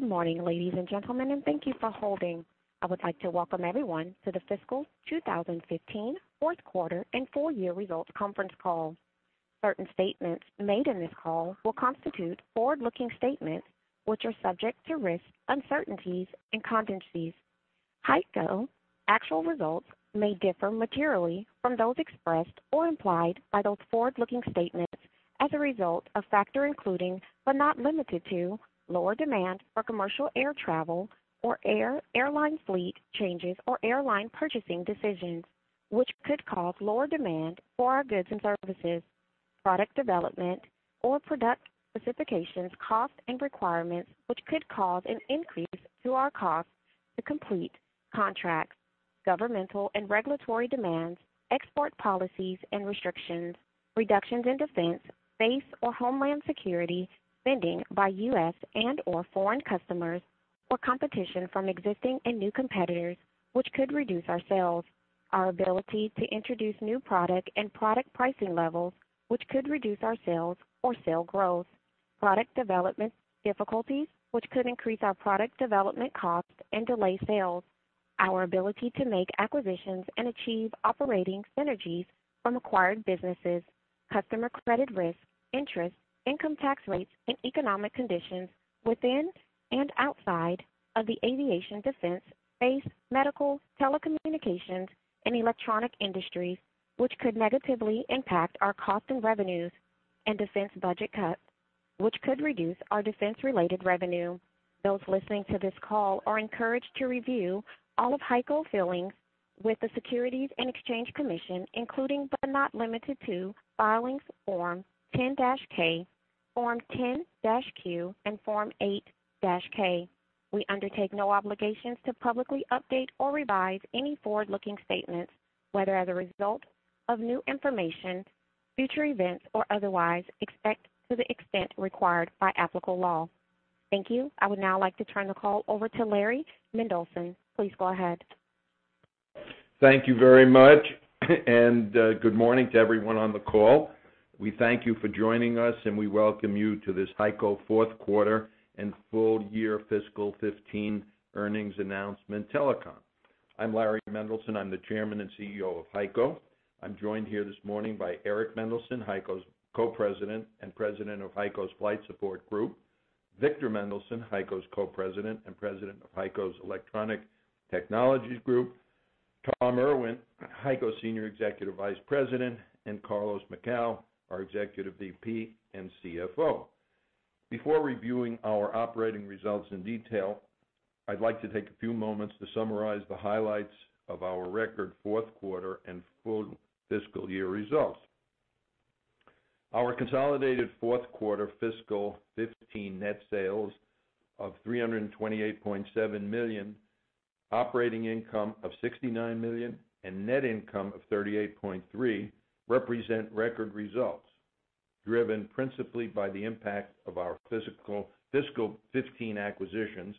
Good morning, ladies and gentlemen, and thank you for holding. I would like to welcome everyone to the fiscal 2015 fourth quarter and full year results conference call. Certain statements made in this call will constitute forward-looking statements, which are subject to risks, uncertainties, and contingencies. HEICO actual results may differ materially from those expressed or implied by those forward-looking statements as a result of factors including, but not limited to, lower demand for commercial air travel or airline fleet changes or airline purchasing decisions, which could cause lower demand for our goods and services, product development or product specifications, costs, and requirements which could cause an increase to our costs to complete contracts, governmental and regulatory demands, export policies and restrictions, reductions in defense, space, or homeland security, spending by U.S. and/or foreign customers, or competition from existing and new competitors which could reduce our sales, our ability to introduce new product and product pricing levels, which could reduce our sales or sale growth, product development difficulties, which could increase our product development costs and delay sales, our ability to make acquisitions and achieve operating synergies from acquired businesses, customer credit risk, interest, income tax rates, and economic conditions within and outside of the aviation, defense, space, medical, telecommunications, and electronic industries, which could negatively impact our costs and revenues, and defense budget cuts, which could reduce our defense-related revenue. Those listening to this call are encouraged to review all of HEICO's filings with the Securities and Exchange Commission, including, but not limited to, filings Form 10-K, Form 10-Q, and Form 8-K. We undertake no obligations to publicly update or revise any forward-looking statements, whether as a result of new information, future events, or otherwise, except to the extent required by applicable law. Thank you. I would now like to turn the call over to Larry Mendelson. Please go ahead. Thank you very much, and good morning to everyone on the call. We thank you for joining us, and we welcome you to this HEICO fourth quarter and full-year fiscal 2015 earnings announcement telecom. I'm Larry Mendelson. I'm the Chairman and CEO of HEICO. I'm joined here this morning by Eric Mendelson, HEICO's Co-President and President of HEICO's Flight Support Group, Victor Mendelson, HEICO's Co-President and President of HEICO's Electronic Technologies Group, Tom Irwin, HEICO's Senior Executive Vice President, and Carlos Macau, our Executive VP and CFO. Before reviewing our operating results in detail, I'd like to take a few moments to summarize the highlights of our record fourth quarter and full fiscal year results. Our consolidated fourth quarter fiscal 2015 net sales of $328.7 million, operating income of $69 million, and net income of $38.3 million represent record results, driven principally by the impact of our fiscal 2015 acquisitions,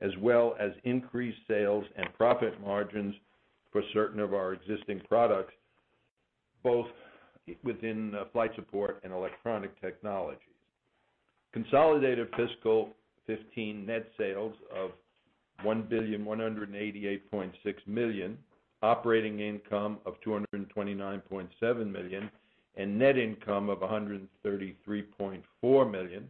as well as increased sales and profit margins for certain of our existing products, both within Flight Support and Electronic Technologies. Consolidated fiscal 2015 net sales of $1,188.6 million, operating income of $229.7 million, and net income of $133.4 million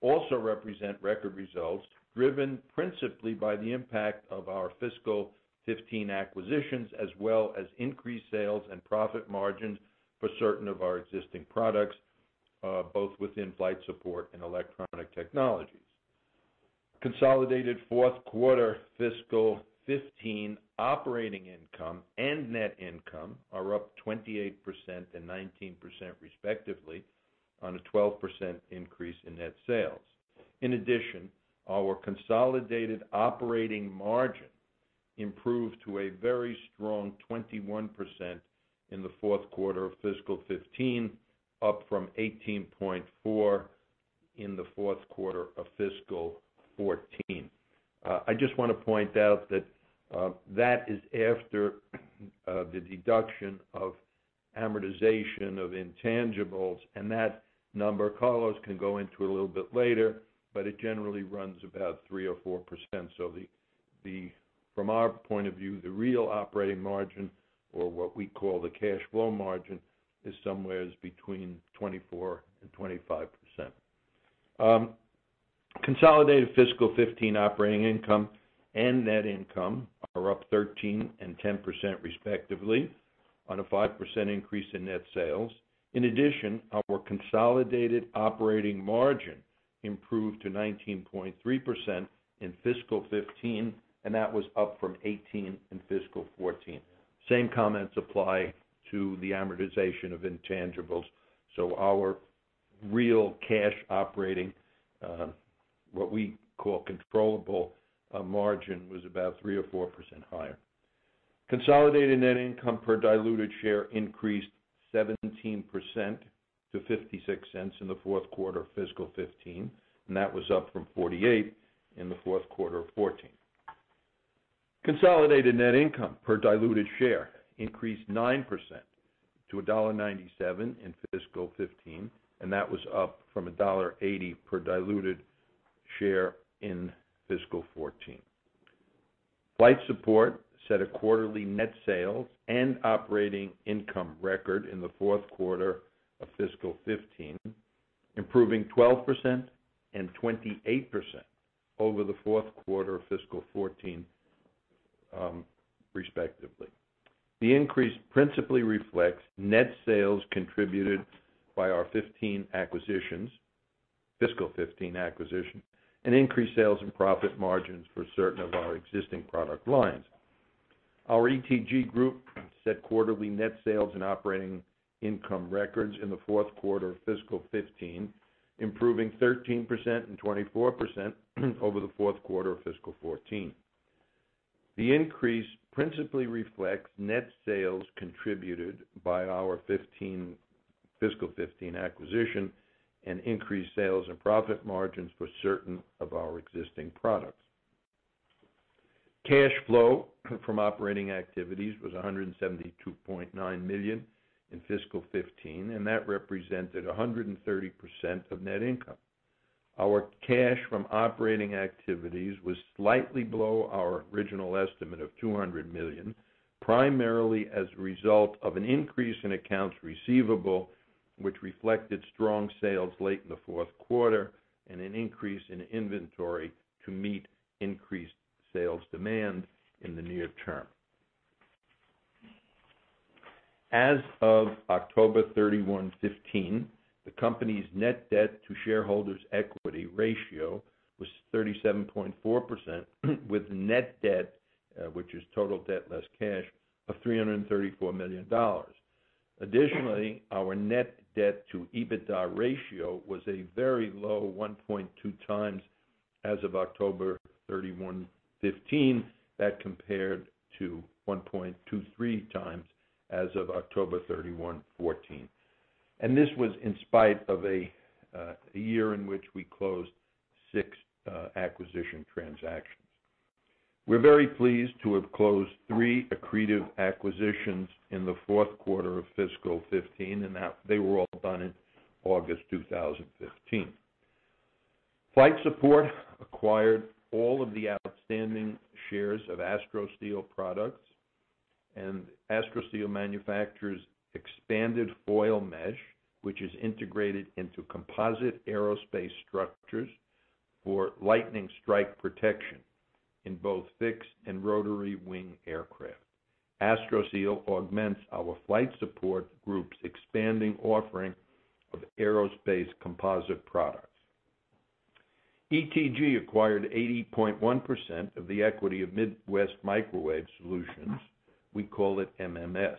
also represent record results, driven principally by the impact of our fiscal 2015 acquisitions, as well as increased sales and profit margins for certain of our existing products, both within Flight Support and Electronic Technologies. Consolidated fourth quarter fiscal 2015 operating income and net income are up 28% and 19% respectively, on a 12% increase in net sales. In addition, our consolidated operating margin improved to a very strong 21% in the fourth quarter of fiscal 2015, up from 18.4% in the fourth quarter of fiscal 2014. I just want to point out that that is after the deduction of amortization of intangibles, and that number, Carlos can go into a little bit later, but it generally runs about 3% or 4%. From our point of view, the real operating margin, or what we call the cash flow margin, is somewhere between 24% and 25%. Consolidated fiscal 2015 operating income and net income are up 13% and 10% respectively on a 5% increase in net sales. In addition, our consolidated operating margin improved to 19.3% in fiscal 2015, and that was up from 18% in fiscal 2014. Same comments apply to the amortization of intangibles. Our real cash operating, what we call controllable margin, was about 3% or 4% higher. Consolidated net income per diluted share increased 17% to $0.56 in the fourth quarter of fiscal 2015, and that was up from $0.48 in the fourth quarter of 2014. Consolidated net income per diluted share increased 9% to $1.97 in fiscal 2015, and that was up from $1.80 per diluted share in fiscal 2014. Flight Support set a quarterly net sales and operating income record in the fourth quarter of fiscal 2015, improving 12% and 28% over the fourth quarter of fiscal 2014, respectively. The increase principally reflects net sales contributed by our fiscal 2015 acquisition, and increased sales and profit margins for certain of our existing product lines. Our ETG group set quarterly net sales and operating income records in the fourth quarter of fiscal 2015, improving 13% and 24% over the fourth quarter of fiscal 2014. The increase principally reflects net sales contributed by our fiscal 2015 acquisition, and increased sales and profit margins for certain of our existing products. Cash flow from operating activities was $172.9 million in fiscal 2015, and that represented 130% of net income. Our cash from operating activities was slightly below our original estimate of $200 million, primarily as a result of an increase in accounts receivable, which reflected strong sales late in the fourth quarter, and an increase in inventory to meet increased sales demand in the near term. As of October 31, 2015, the company's net debt to shareholders' equity ratio was 37.4%, with net debt, which is total debt less cash, of $334 million. Additionally, our net debt to EBITDA ratio was a very low 1.2 times as of October 31, 2015. That compared to 1.23 times as of October 31, 2014. This was in spite of a year in which we closed six acquisition transactions. We're very pleased to have closed three accretive acquisitions in the fourth quarter of fiscal 2015, and they were all done in August 2015. Flight Support Group acquired all of the outstanding shares of Astroseal Products, and Astroseal manufactures expanded foil mesh, which is integrated into composite aerospace structures for lightning strike protection in both fixed and rotary wing aircraft. Astroseal augments our Flight Support Group's expanding offering of aerospace composite products. ETG acquired 80.1% of the equity of Midwest Microwave Solutions, we call it MMS.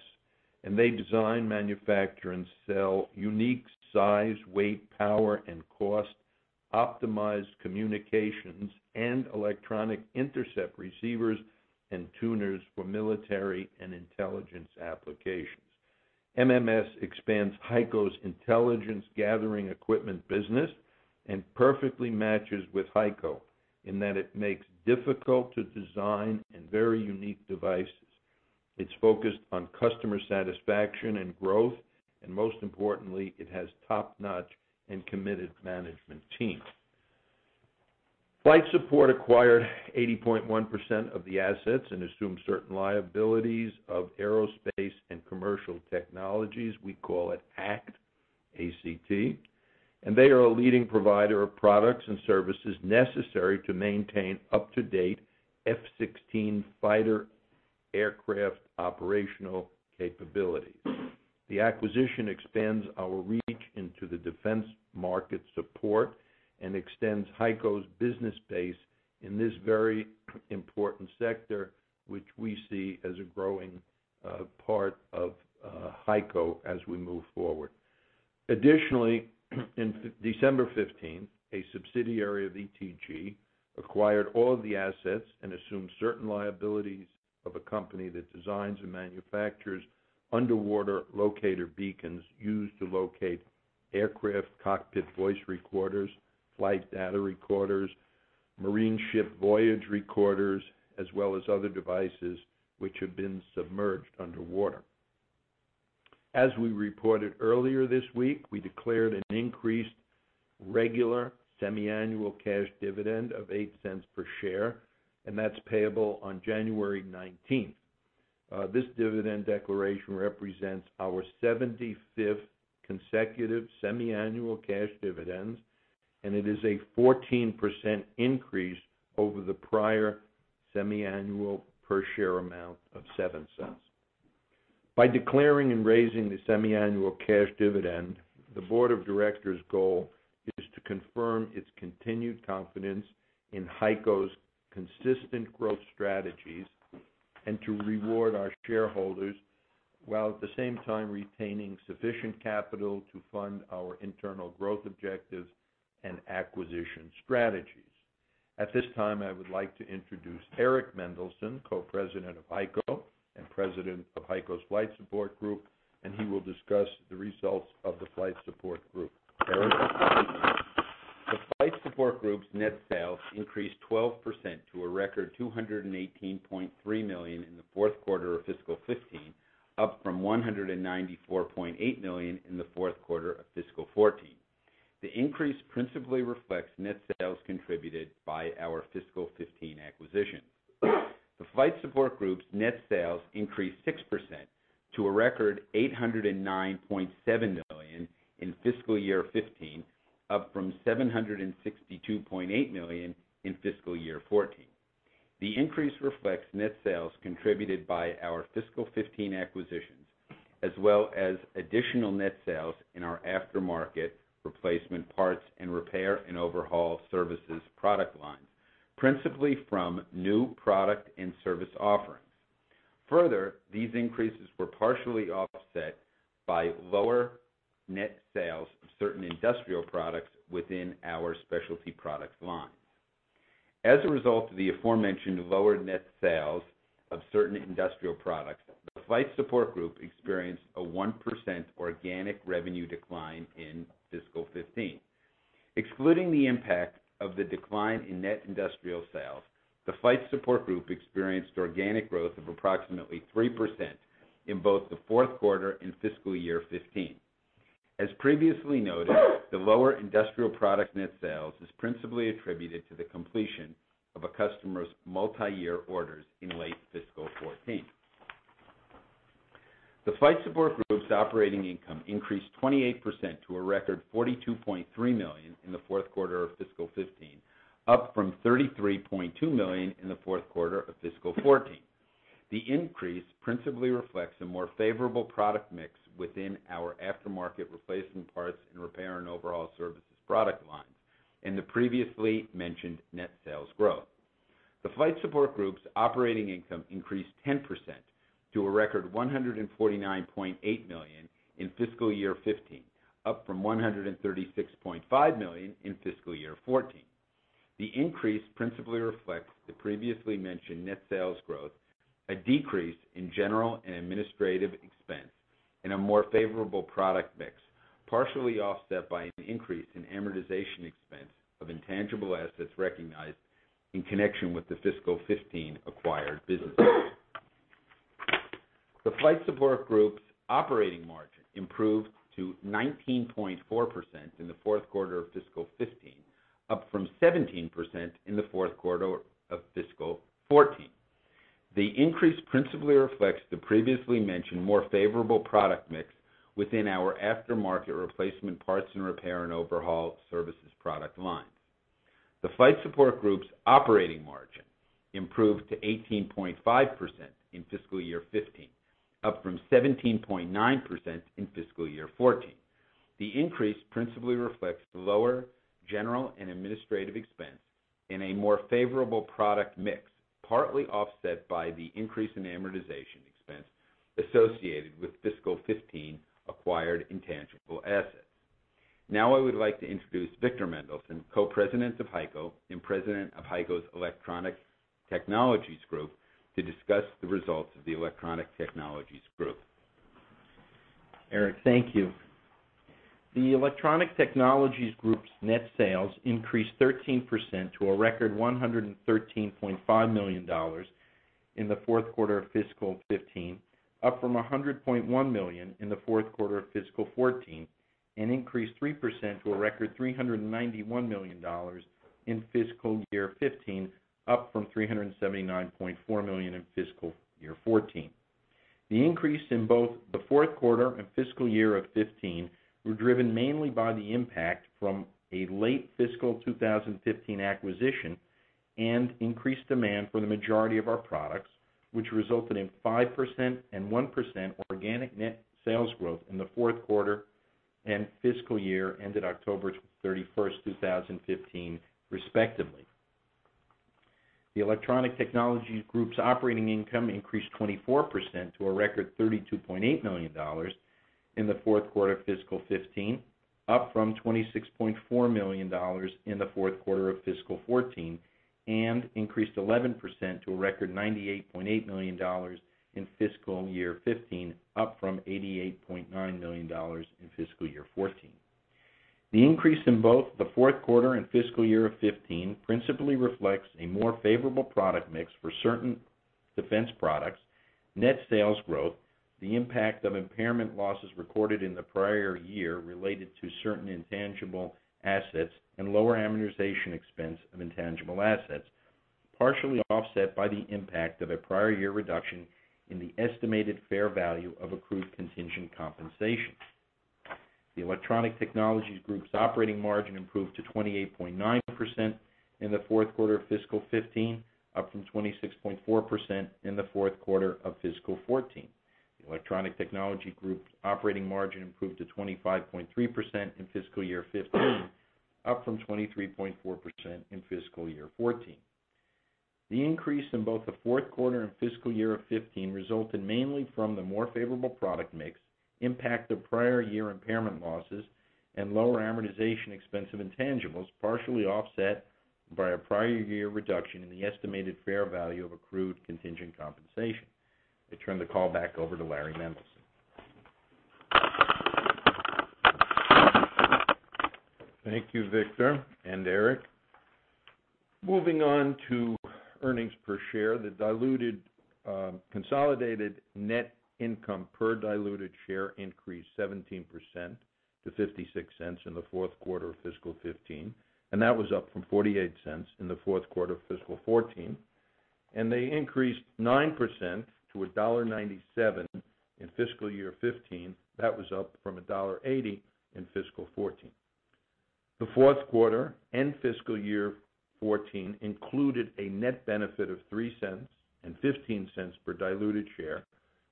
They design, manufacture, and sell unique size, weight, power, and cost-optimized communications and electronic intercept receivers and tuners for military and intelligence applications. MMS expands HEICO's intelligence gathering equipment business and perfectly matches with HEICO in that it makes difficult-to-design and very unique devices. It's focused on customer satisfaction and growth. Most importantly, it has top-notch and committed management team. Flight Support Group acquired 80.1% of the assets and assumed certain liabilities of Aerospace and Commercial Technologies. We call it ACT, A-C-T. They are a leading provider of products and services necessary to maintain up-to-date F-16 fighter aircraft operational capabilities. The acquisition expands our reach into the defense market support and extends HEICO's business base in this very important sector, which we see as a growing part of HEICO as we move forward. Additionally, in December 2015, a subsidiary of ETG acquired all of the assets and assumed certain liabilities of a company that designs and manufactures underwater locator beacons used to locate aircraft cockpit voice recorders, flight data recorders, marine ship voyage recorders, as well as other devices which have been submerged underwater. As we reported earlier this week, we declared an increased regular semiannual cash dividend of $0.08 per share. That's payable on January 19th. This dividend declaration represents our 75th consecutive semiannual cash dividends. It is a 14% increase over the prior semiannual per share amount of $0.07. By declaring and raising the semiannual cash dividend, the board of directors' goal is to confirm its continued confidence in HEICO's consistent growth strategies and to reward our shareholders, while at the same time retaining sufficient capital to fund our internal growth objectives and acquisition strategies. At this time, I would like to introduce Eric Mendelson, Co-President of HEICO and President of HEICO's Flight Support Group. He will discuss the results of the Flight Support Group. Eric? The Flight Support Group's net sales increased 12% to a record $218.3 million in the fourth quarter of fiscal 2015, up from $194.8 million in the fourth quarter of fiscal 2014. The increase principally reflects net sales contributed by our fiscal 2015 acquisitions. The Flight Support Group's net sales increased 6% to a record $809.7 million in fiscal year 2015, up from $762.8 million in fiscal year 2014. The increase reflects net sales contributed by our fiscal 2015 acquisitions, as well as additional net sales in our aftermarket replacement parts and repair and overhaul services product lines, principally from new product and service offerings. These increases were partially offset by lower net sales of certain industrial products within our specialty products line. As a result of the aforementioned lower net sales of certain industrial products, the Flight Support Group experienced a 1% organic revenue decline in fiscal 2015. Excluding the impact of the decline in net industrial sales, the Flight Support Group experienced organic growth of approximately 3% in both the fourth quarter and fiscal year 2015. As previously noted, the lower industrial product net sales is principally attributed to the completion of a customer's multi-year orders in late fiscal 2014. The Flight Support Group's operating income increased 28% to a record $42.3 million in the fourth quarter of fiscal 2015, up from $33.2 million in the fourth quarter of fiscal 2014. The increase principally reflects a more favorable product mix within our aftermarket replacement parts and repair and overhaul services product lines and the previously mentioned net sales growth. The Flight Support Group's operating income increased 10% to a record $149.8 million in fiscal year 2015, up from $136.5 million in fiscal year 2014. The increase principally reflects the previously mentioned net sales growth, a decrease in general and administrative expense, and a more favorable product mix, partially offset by an increase in amortization expense of intangible assets recognized in connection with the fiscal 2015 acquired businesses. The Flight Support Group's operating margin improved to 19.4% in the fourth quarter of fiscal 2015, up from 17% in the fourth quarter of fiscal 2014. The increase principally reflects the previously mentioned more favorable product mix within our aftermarket replacement parts and repair and overhaul services product lines. The Flight Support Group's operating margin improved to 18.5% in fiscal year 2015, up from 17.9% in fiscal year 2014. The increase principally reflects lower general and administrative expense and a more favorable product mix, partly offset by the increase in amortization expense associated with fiscal 2015 acquired intangible assets. I would like to introduce Victor Mendelson, Co-President of HEICO and President of HEICO's Electronic Technologies Group, to discuss the results of the Electronic Technologies Group. Eric, thank you. The Electronic Technologies Group's net sales increased 13% to a record $113.5 million in the fourth quarter of fiscal 2015, up from $100.1 million in the fourth quarter of fiscal 2014, and increased 3% to a record $391 million in fiscal year 2015, up from $379.4 million in fiscal year 2014. The increase in both the fourth quarter and fiscal year of 2015 were driven mainly by the impact from a late fiscal 2015 acquisition and increased demand for the majority of our products, which resulted in 5% and 1% organic net sales growth in the fourth quarter and fiscal year ended October 31st, 2015, respectively. The Electronic Technologies Group's operating income increased 24% to a record $32.8 million in the fourth quarter of fiscal 2015, up from $26.4 million in the fourth quarter of fiscal 2014, and increased 11% to a record $98.8 million in fiscal year 2015, up from $88.9 million in fiscal year 2014. The increase in both the fourth quarter and fiscal year of 2015 principally reflects a more favorable product mix for certain defense products, net sales growth, the impact of impairment losses recorded in the prior year related to certain intangible assets, and lower amortization expense of intangible assets, partially offset by the impact of a prior year reduction in the estimated fair value of accrued contingent compensation. The Electronic Technologies Group's operating margin improved to 28.9% in the fourth quarter of fiscal 2015, up from 26.4% in the fourth quarter of fiscal 2014. The Electronic Technologies Group's operating margin improved to 25.3% in fiscal year 2015, up from 23.4% in fiscal year 2014. The increase in both the fourth quarter and fiscal year of 2015 resulted mainly from the more favorable product mix, impact of prior year impairment losses, and lower amortization expense of intangibles, partially offset by a prior year reduction in the estimated fair value of accrued contingent compensation. I turn the call back over to Larry Mendelson. Thank you, Victor and Eric. Moving on to earnings per share. The diluted consolidated net income per diluted share increased 17% to $0.56 in the fourth quarter of fiscal 2015, that was up from $0.48 in the fourth quarter of fiscal 2014. They increased 9% to $1.97 in fiscal year 2015. That was up from $1.80 in fiscal 2014. The fourth quarter and fiscal year 2014 included a net benefit of $0.03 and $0.15 per diluted share,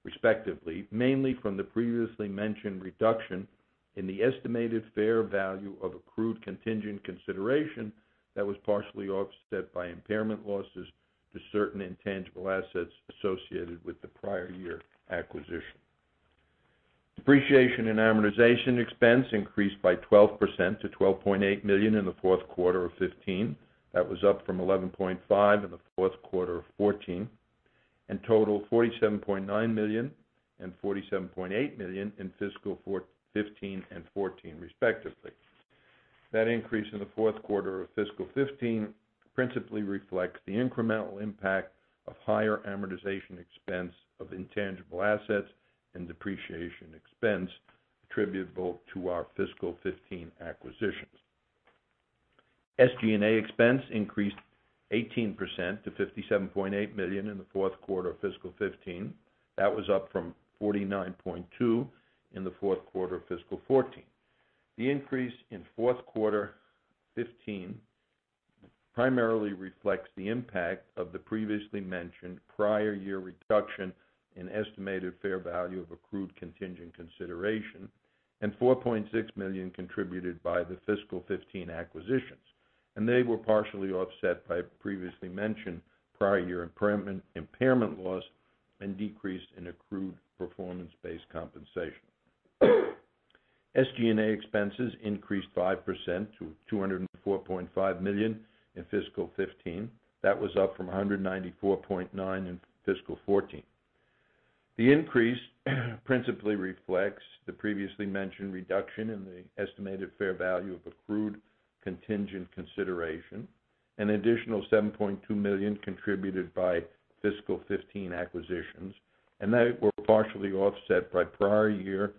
respectively, mainly from the previously mentioned reduction in the estimated fair value of accrued contingent consideration that was partially offset by impairment losses to certain intangible assets associated with the prior year acquisition. Depreciation and amortization expense increased by 12% to $12.8 million in the fourth quarter of 2015. That was up from $11.5 million in the fourth quarter of 2014, and total of $47.9 million and $47.8 million in fiscal 2015 and 2014, respectively. That increase in the fourth quarter of fiscal 2015 principally reflects the incremental impact of higher amortization expense of intangible assets and depreciation expense attributable to our fiscal 2015 acquisitions. SG&A expense increased 18% to $57.8 million in the fourth quarter of fiscal 2015. That was up from $49.2 million in the fourth quarter of fiscal 2014. The increase in fourth quarter 2015 primarily reflects the impact of the previously mentioned prior year reduction in estimated fair value of accrued contingent consideration, and $4.6 million contributed by the fiscal 2015 acquisitions. They were partially offset by previously mentioned prior year impairment loss and decrease in accrued performance-based compensation. SG&A expenses increased 5% to $204.5 million in fiscal 2015. That was up from $194.9 million in fiscal 2014. The increase principally reflects the previously mentioned reduction in the estimated fair value of accrued contingent consideration. An additional $7.2 million contributed by fiscal 2015 acquisitions, and they were partially offset by prior year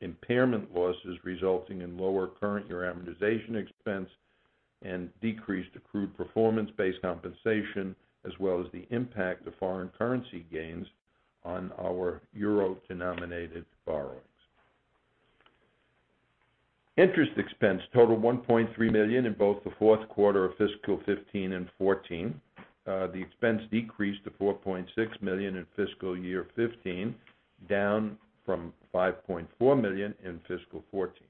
impairment losses, resulting in lower current year amortization expense and decreased accrued performance-based compensation, as well as the impact of foreign currency gains on our euro-denominated borrowings. Interest expense totaled $1.3 million in both the fourth quarter of fiscal 2015 and 2014. The expense decreased to $4.6 million in fiscal year 2015, down from $5.4 million in fiscal 2014.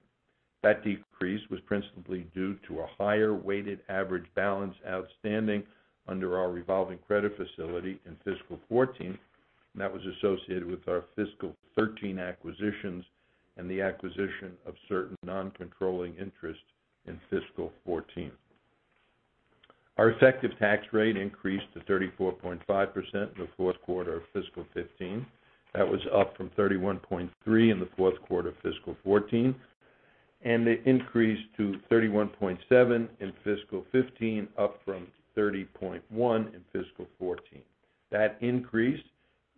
That decrease was principally due to a higher weighted average balance outstanding under our revolving credit facility in fiscal 2014, and that was associated with our fiscal 2013 acquisitions and the acquisition of certain non-controlling interests in fiscal 2014. Our effective tax rate increased to 34.5% in the fourth quarter of fiscal 2015. That was up from 31.3% in the fourth quarter of fiscal 2014, and it increased to 31.7% in fiscal 2015, up from 30.1% in fiscal 2014. That increase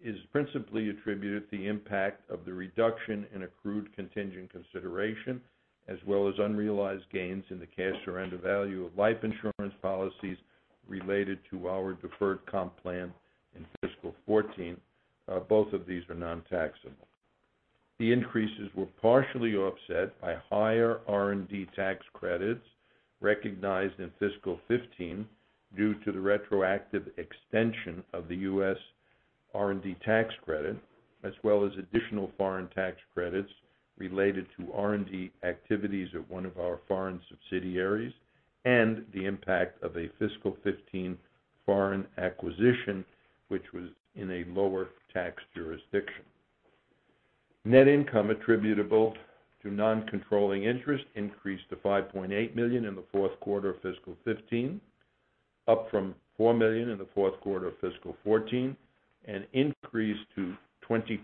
is principally attributed to the impact of the reduction in accrued contingent consideration, as well as unrealized gains in the cash surrender value of life insurance policies related to our deferred comp plan in fiscal 2014. Both of these are non-taxable. The increases were partially offset by higher R&D tax credits recognized in fiscal 2015 due to the retroactive extension of the U.S. R&D tax credit, as well as additional foreign tax credits related to R&D activities at one of our foreign subsidiaries, and the impact of a fiscal 2015 foreign acquisition, which was in a lower tax jurisdiction. Net income attributable to non-controlling interests increased to $5.8 million in the fourth quarter of fiscal 2015, up from $4 million in the fourth quarter of fiscal 2014, and increased to $20.2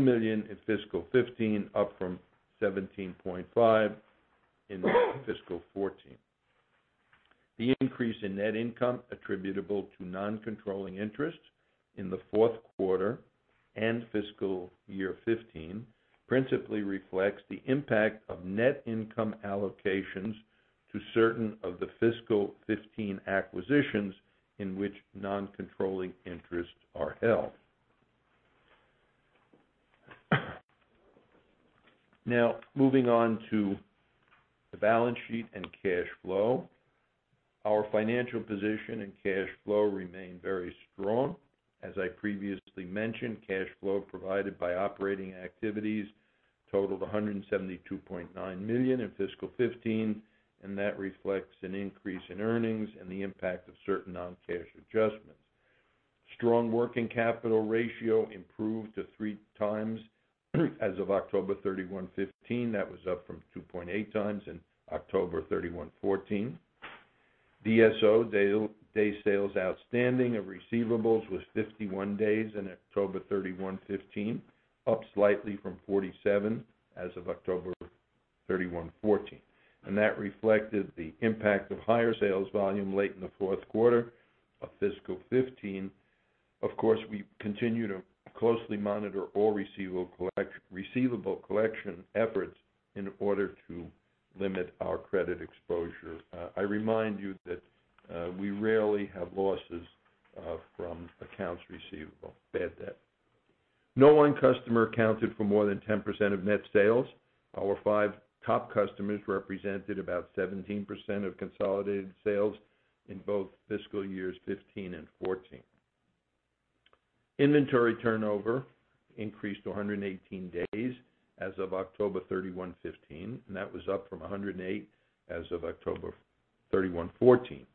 million in fiscal 2015, up from $17.5 million in fiscal 2014. The increase in net income attributable to non-controlling interests in the fourth quarter and fiscal year 2015 principally reflects the impact of net income allocations to certain of the fiscal 2015 acquisitions in which non-controlling interests are held. Moving on to the balance sheet and cash flow. Our financial position and cash flow remain very strong. As I previously mentioned, cash flow provided by operating activities totaled $172.9 million in fiscal 2015, and that reflects an increase in earnings and the impact of certain non-cash adjustments. Strong working capital ratio improved to three times as of October 31, 2015. That was up from 2.8 times in October 31, 2014. DSO, day sales outstanding of receivables was 51 days in October 31, 2015, up slightly from 47 as of October 31, 2014. That reflected the impact of higher sales volume late in the fourth quarter of fiscal 2015. Of course, we continue to closely monitor all receivable collection efforts in order to limit our credit exposure. I remind you that we rarely have losses from accounts receivable, bad debt. No one customer accounted for more than 10% of net sales. Our five top customers represented about 17% of consolidated sales in both fiscal years 2015 and 2014. Inventory turnover increased to 118 days as of October 31, 2015, That was up from 108 as of October 31, 2014.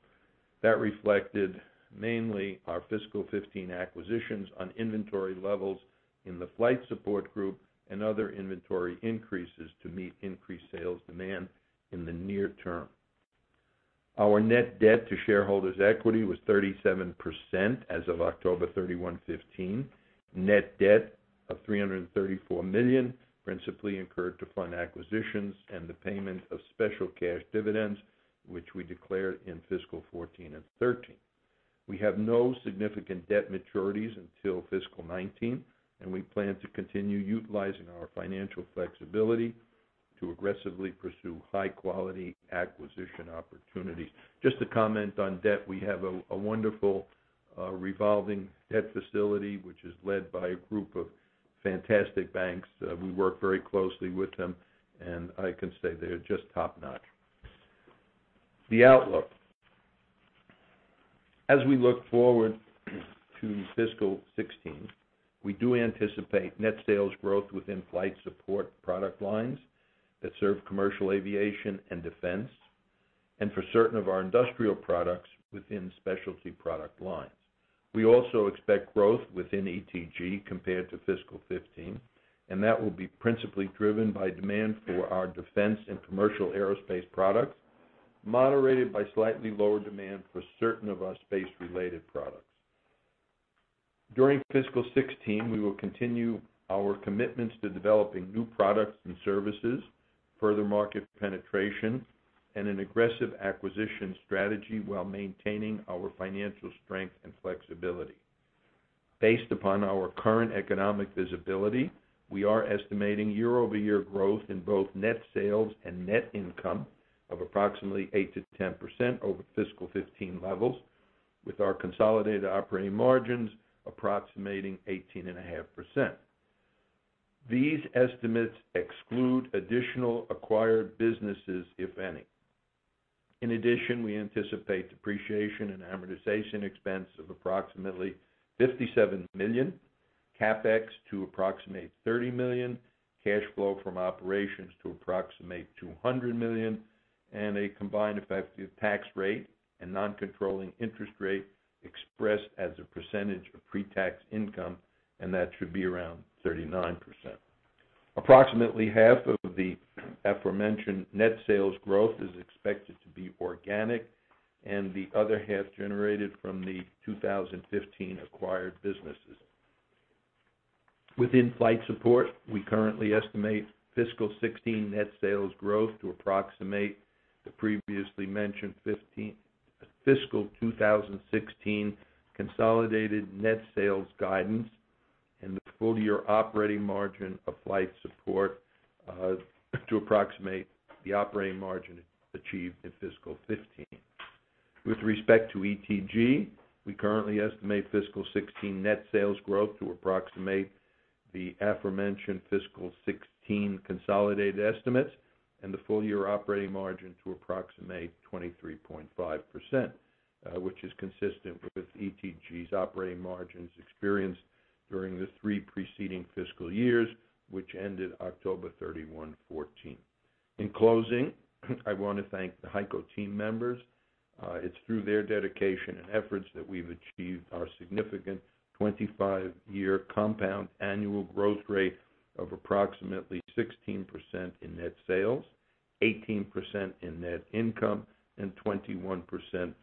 That reflected mainly our fiscal 2015 acquisitions on inventory levels in the Flight Support Group and other inventory increases to meet increased sales demand in the near term. Our net debt to shareholders' equity was 37% as of October 31, 2015. Net debt of $334 million, principally incurred to fund acquisitions and the payment of special cash dividends, which we declared in fiscal 2014 and 2013. We have no significant debt maturities until fiscal 2019. We plan to continue utilizing our financial flexibility to aggressively pursue high-quality acquisition opportunities. Just to comment on debt, we have a wonderful revolving debt facility, which is led by a group of fantastic banks. We work very closely with them, I can say they're just top-notch. The outlook. As we look forward to fiscal 2016, we do anticipate net sales growth within Flight Support product lines that serve commercial aviation and defense, for certain of our industrial products within specialty product lines. We also expect growth within ETG compared to fiscal 2015, That will be principally driven by demand for our defense and commercial aerospace products, moderated by slightly lower demand for certain of our space-related products. During fiscal 2016, we will continue our commitments to developing new products and services, further market penetration, and an aggressive acquisition strategy while maintaining our financial strength and flexibility. Based upon our current economic visibility, we are estimating year-over-year growth in both net sales and net income of approximately 8%-10% over fiscal 2015 levels, with our consolidated operating margins approximating 18.5%. These estimates exclude additional acquired businesses, if any. In addition, we anticipate depreciation and amortization expense of approximately $57 million, CapEx to approximate $30 million, cash flow from operations to approximate $200 million, A combined effective tax rate and non-controlling interest rate expressed as a percentage of pre-tax income, That should be around 39%. Approximately half of the aforementioned net sales growth is expected to be organic, The other half generated from the 2015 acquired businesses. Within Flight Support, we currently estimate fiscal 2016 net sales growth to approximate the previously mentioned fiscal 2016 consolidated net sales guidance and the full-year operating margin of Flight Support to approximate the operating margin achieved in fiscal 2015. With respect to ETG, we currently estimate fiscal 2016 net sales growth to approximate the aforementioned fiscal 2016 consolidated estimates and the full-year operating margin to approximate 23.5%, which is consistent with ETG's operating margins experienced during the three preceding fiscal years, which ended October 31, 2014. In closing, I want to thank the HEICO team members. It's through their dedication and efforts that we've achieved our significant 25-year compound annual growth rate of approximately 16% in net sales, 18% in net income, and 21%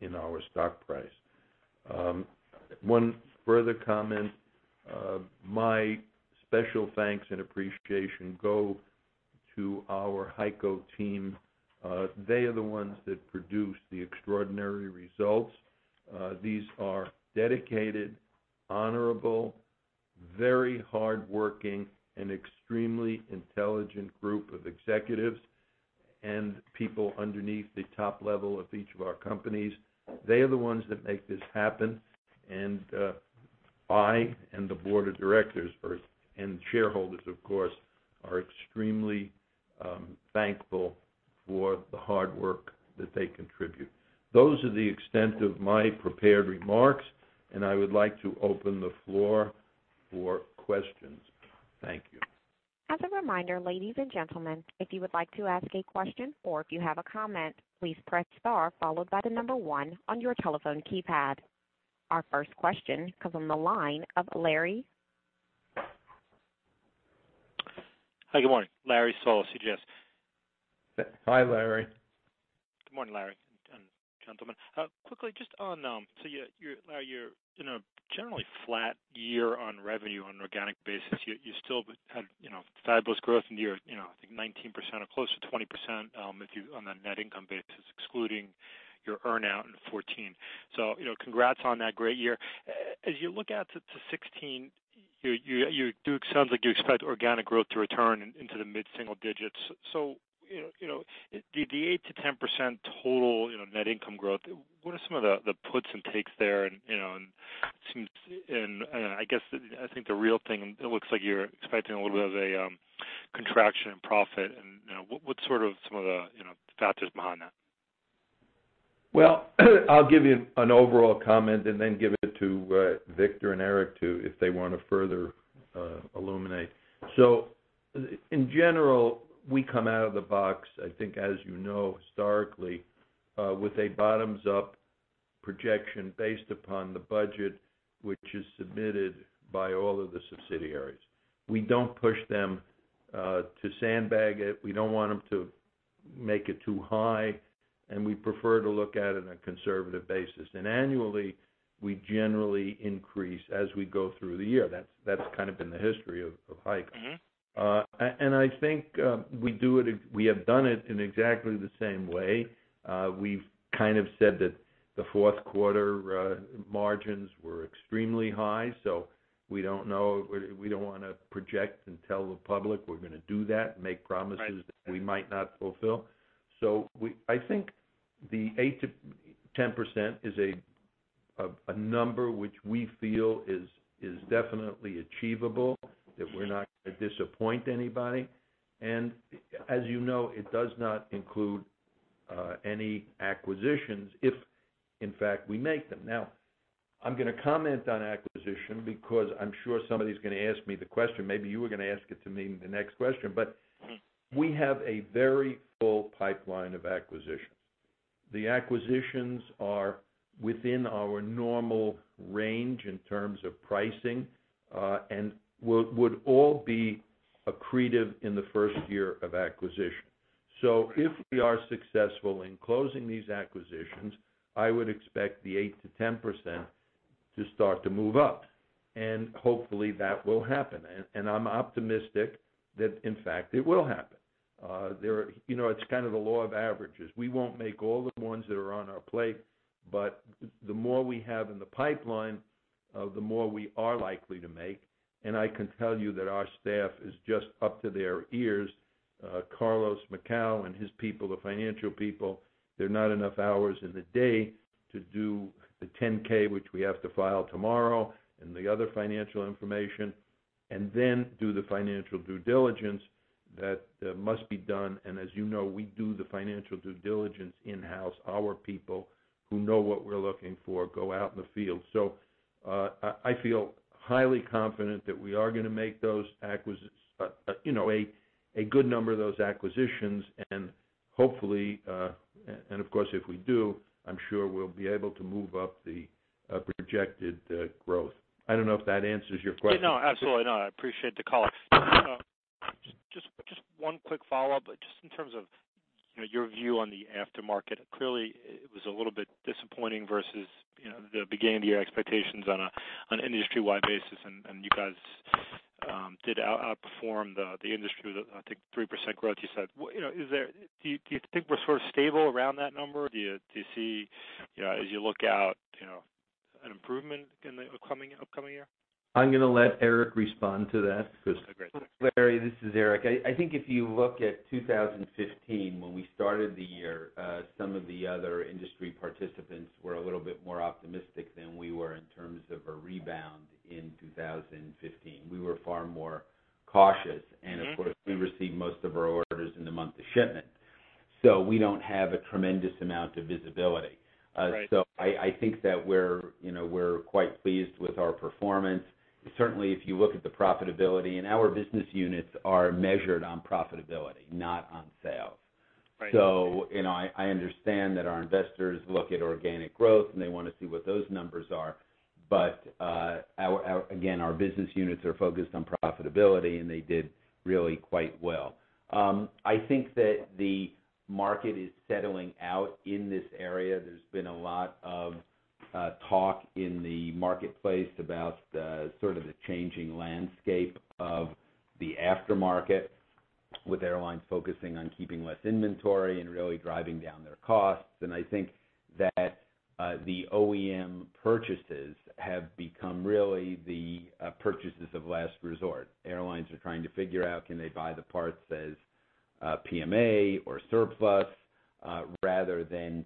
in our stock price. One further comment. My special thanks and appreciation go to our HEICO team. They are the ones that produce the extraordinary results. These are dedicated, honorable, very hard-working, and extremely intelligent group of executives and people underneath the top level of each of our companies. They are the ones that make this happen, I and the board of directors and shareholders, of course, are extremely thankful for the hard work that they contribute. Those are the extent of my prepared remarks, I would like to open the floor for questions. Thank you. As a reminder, ladies and gentlemen, if you would like to ask a question or if you have a comment, please press star followed by the number one on your telephone keypad. Our first question comes on the line of Larry. Hi, good morning. Larry Solow, CJS Securities. Hi, Larry Mendelson. Good morning, Larry Mendelson and gentlemen. Quickly, Larry Mendelson, you're in a generally flat year on revenue on an organic basis. You still had fabulous growth in the year, I think 19% or close to 20% on the net income basis, excluding your earn-out in 2014. Congrats on that great year. As you look out to 2016, it sounds like you expect organic growth to return into the mid-single digits. The 8%-10% total net income growth, what are some of the puts and takes there? I guess, I think the real thing, it looks like you're expecting a little bit of a contraction in profit and what's sort of some of the factors behind that? Well, I'll give you an overall comment and then give it to Victor Mendelson and Eric Mendelson, too, if they want to further illuminate. In general, we come out of the box, I think as you know, historically, with a bottoms-up projection based upon the budget, which is submitted by all of the subsidiaries. We don't push them to sandbag it. We don't want them to make it too high, and we prefer to look at it on a conservative basis. Annually, we generally increase as we go through the year. That's kind of been the history of HEICO Corporation. I think we have done it in exactly the same way. We've kind of said that the fourth quarter margins were extremely high, we don't want to project and tell the public we're going to do that and make promises. Right that we might not fulfill. I think the 8%-10% is a number which we feel is definitely achievable, that we're not going to disappoint anybody. As you know, it does not include any acquisitions, if in fact we make them. I'm going to comment on acquisition because I'm sure somebody's going to ask me the question. Maybe you were going to ask it to me in the next question. We have a very full pipeline of acquisitions. The acquisitions are within our normal range in terms of pricing, and would all be accretive in the first year of acquisition. If we are successful in closing these acquisitions, I would expect the 8%-10% to start to move up, and hopefully that will happen. I'm optimistic that in fact, it will happen. It's kind of the law of averages. We won't make all the ones that are on our plate, the more we have in the pipeline, the more we are likely to make. I can tell you that our staff is just up to their ears. Carlos Macau and his people, the financial people, there are not enough hours in the day to do the 10-K, which we have to file tomorrow, and the other financial information, do the financial due diligence that must be done. As you know, we do the financial due diligence in-house. Our people who know what we're looking for go out in the field. I feel highly confident that we are going to make a good number of those acquisitions, and of course, if we do, I'm sure we'll be able to move up the projected growth. I don't know if that answers your question. No, absolutely not. I appreciate the color. Just one quick follow-up, in terms of your view on the aftermarket. Clearly, it was a little bit disappointing versus the beginning of the year expectations on an industry-wide basis, you guys did outperform the industry with, I think, 3% growth, you said. Do you think we're sort of stable around that number? Do you see, as you look out, an improvement in the upcoming year? I'm going to let Eric respond to that because. Okay, great. Thanks. Larry, this is Eric. I think if you look at 2015, when we started the year, some of the other industry participants were a little bit more optimistic than we were in terms of a rebound in 2015. We were far more cautious. Of course, we receive most of our orders in the month of shipment, so we don't have a tremendous amount of visibility. Right. I think that we're quite pleased with our performance. Certainly, if you look at the profitability, and our business units are measured on profitability, not on sales. Right. I understand that our investors look at organic growth, they want to see what those numbers are, but again, our business units are focused on profitability, they did really quite well. I think that the market is settling out in this area. There's been a lot of talk in the marketplace about the changing landscape of the aftermarket, with airlines focusing on keeping less inventory and really driving down their costs. I think that the OEM purchases have become really the purchases of last resort. Airlines are trying to figure out, can they buy the parts as PMA or surplus, rather than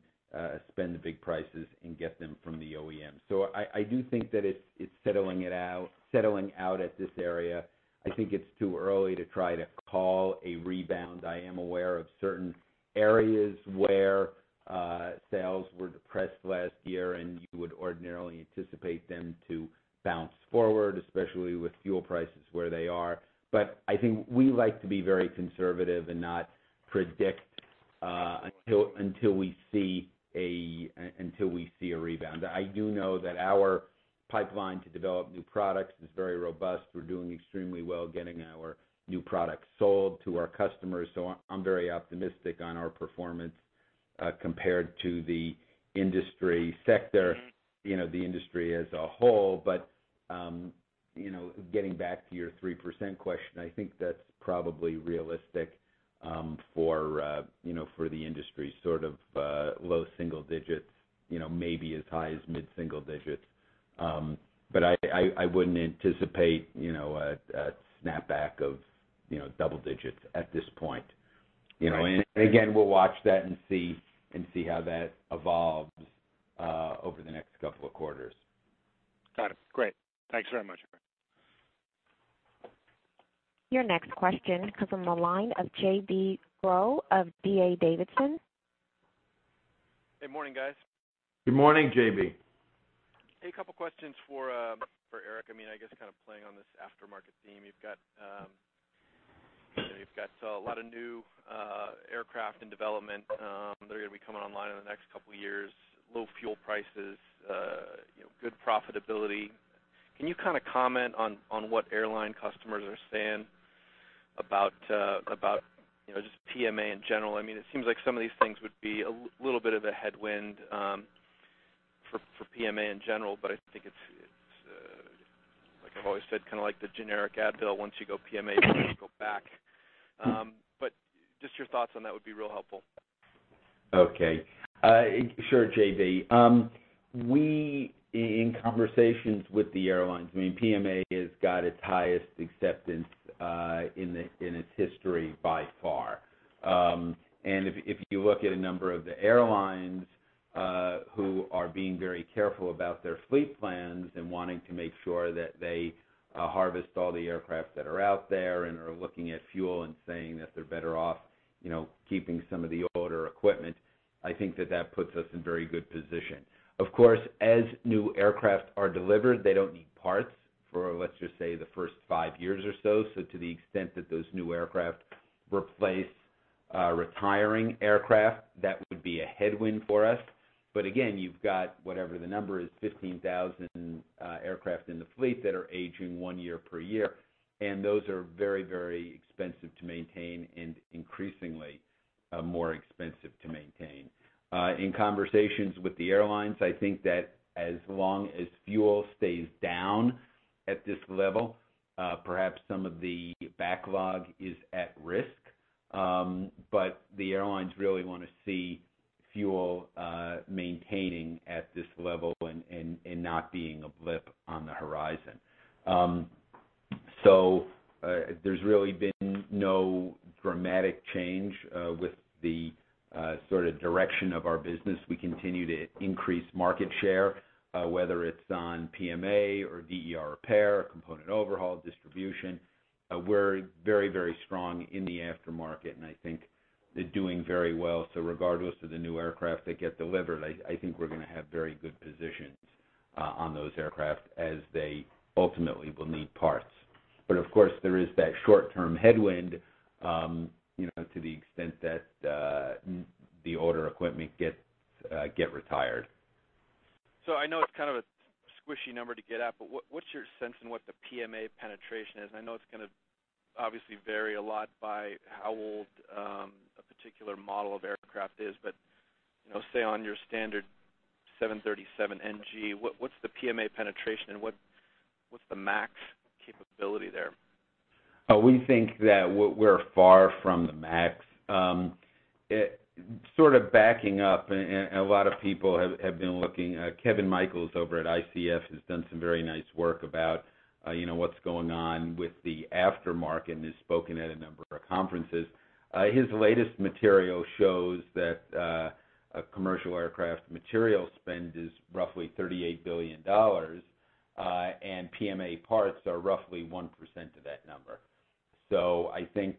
spend the big prices and get them from the OEM. I do think that it's settling out at this area. I think it's too early to try to call a rebound. I am aware of certain areas where sales were depressed last year, you would ordinarily anticipate them to bounce forward, especially with fuel prices where they are. I think we like to be very conservative and not predict Until we see a rebound. I do know that our pipeline to develop new products is very robust. We're doing extremely well getting our new products sold to our customers. I'm very optimistic on our performance, compared to the industry sector, the industry as a whole. Getting back to your 3% question, I think that's probably realistic for the industry, sort of low single digits, maybe as high as mid-single digits. I wouldn't anticipate a snapback of double digits at this point. Again, we'll watch that and see how that evolves over the next couple of quarters. Got it. Great. Thanks very much. Your next question comes from the line of J.B. Groh of D.A. Davidson. Hey, morning, guys. Good morning, J.B. Hey, couple of questions for Eric. I guess kind of playing on this aftermarket theme, you've got a lot of new aircraft in development that are going to be coming online in the next couple of years. Low fuel prices, good profitability. Can you comment on what airline customers are saying about just PMA in general? It seems like some of these things would be a little bit of a headwind for PMA in general, but I think it's, like I've always said, kind of like the generic Advil, once you go PMA, you don't go back. Just your thoughts on that would be real helpful. Okay. Sure, J.B. We, in conversations with the airlines, PMA has got its highest acceptance in its history by far. If you look at a number of the airlines who are being very careful about their fleet plans and wanting to make sure that they harvest all the aircraft that are out there and are looking at fuel and saying that they're better off keeping some of the older equipment, I think that that puts us in very good position. Of course, as new aircraft are delivered, they don't need parts for, let's just say, the first five years or so. To the extent that those new aircraft replace retiring aircraft, that would be a headwind for us. Again, you've got, whatever the number is, 15,000 aircraft in the fleet that are aging one year per year, and those are very expensive to maintain and increasingly more expensive to maintain. In conversations with the airlines, I think that as long as fuel stays down at this level, perhaps some of the backlog is at risk. The airlines really want to see fuel maintaining at this level and not being a blip on the horizon. There's really been no dramatic change with the sort of direction of our business. We continue to increase market share, whether it's on PMA or DER repair or component overhaul, distribution. We're very strong in the aftermarket, and I think they're doing very well. Regardless of the new aircraft that get delivered, I think we're going to have very good positions on those aircraft as they ultimately will need parts. Of course, there is that short-term headwind, to the extent that the older equipment get retired. I know it's kind of a squishy number to get at, but what's your sense in what the PMA penetration is? I know it's going to obviously vary a lot by how old a particular model of aircraft is. Say on your standard 737NG, what's the PMA penetration and what's the max capability there? We think that we're far from the max. Sort of backing up, and a lot of people have been looking, Kevin Michaels over at ICF has done some very nice work about what's going on with the aftermarket and has spoken at a number of conferences. His latest material shows that a commercial aircraft material spend is roughly $38 billion, and PMA parts are roughly 1% of that number. I think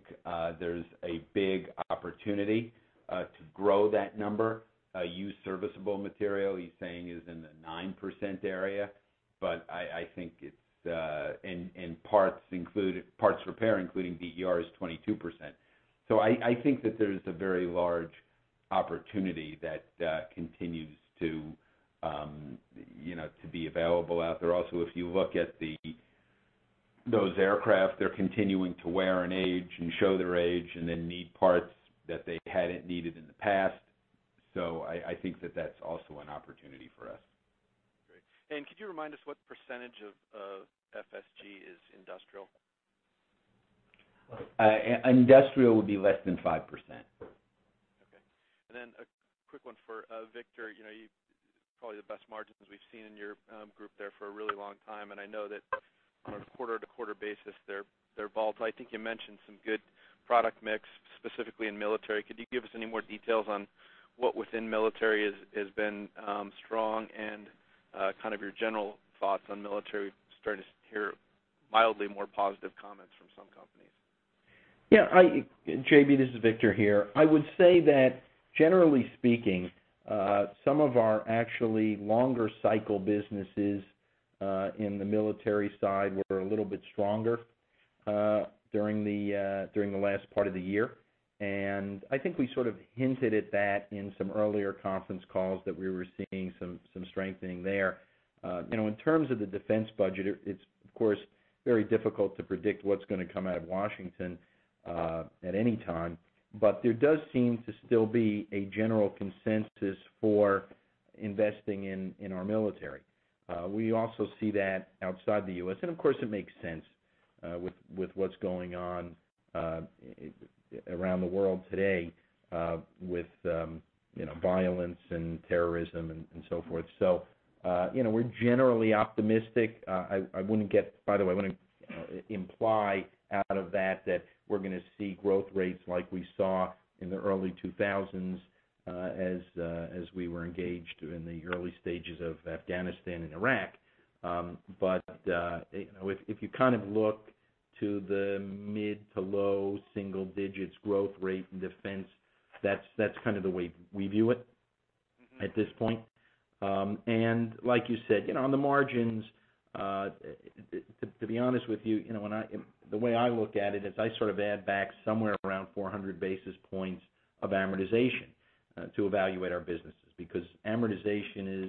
there's a big opportunity to grow that number. Used serviceable material, he's saying, is in the 9% area. And parts repair, including DER, is 22%. I think that there's a very large opportunity that continues to be available out there. Also, if you look at those aircraft, they're continuing to wear and age and show their age and then need parts that they hadn't needed in the past. I think that that's also an opportunity for us. Great. Could you remind us what percentage of FSG is industrial? Industrial would be less than 5%. Okay. Then a quick one for Victor. Probably the best margins we've seen in your group there for a really long time, and I know that on a quarter-to-quarter basis, they're volatile. I think you mentioned some good product mix, specifically in military. Could you give us any more details on what within military has been strong and kind of your general thoughts on military? Starting to hear mildly more positive comments from some companies. Yeah. J.B., this is Victor here. I would say that generally speaking, some of our actually longer cycle businesses in the military side were a little bit stronger during the last part of the year. I think we sort of hinted at that in some earlier conference calls that we were seeing some strengthening there. In terms of the defense budget, it's, of course, very difficult to predict what's going to come out of Washington at any time. There does seem to still be a general consensus for investing in our military. We also see that outside the U.S., of course, it makes sense with what's going on around the world today with violence and terrorism and so forth. We're generally optimistic. By the way, I wouldn't imply out of that we're going to see growth rates like we saw in the early 2000s as we were engaged in the early stages of Afghanistan and Iraq. If you kind of look to the mid to low single-digits growth rate in defense, that's kind of the way we view it at this point. Like you said, on the margins, to be honest with you, the way I look at it is I sort of add back somewhere around 400 basis points of amortization to evaluate our businesses, because amortization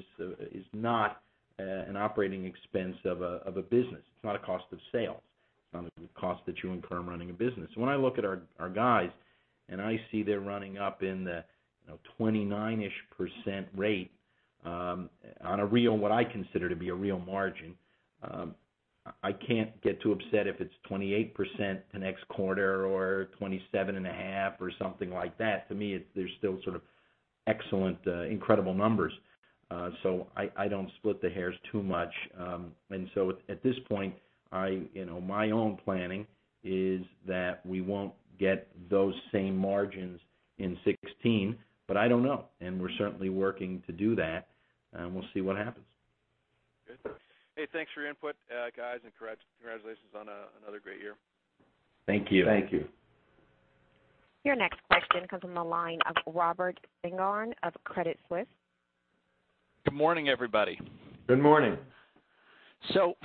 is not an operating expense of a business. It's not a cost of sales. It's not a cost that you incur in running a business. When I look at our guys, I see they're running up in the 29%-ish rate on what I consider to be a real margin, I can't get too upset if it's 28% the next quarter or 27.5% or something like that. To me, they're still sort of excellent, incredible numbers. I don't split the hairs too much. At this point, my own planning is that we won't get those same margins in 2016, I don't know. We're certainly working to do that, we'll see what happens. Good. Hey, thanks for your input, guys, and congratulations on another great year. Thank you. Thank you. Your next question comes from the line of Robert Spingarn of Credit Suisse. Good morning, everybody. Good morning.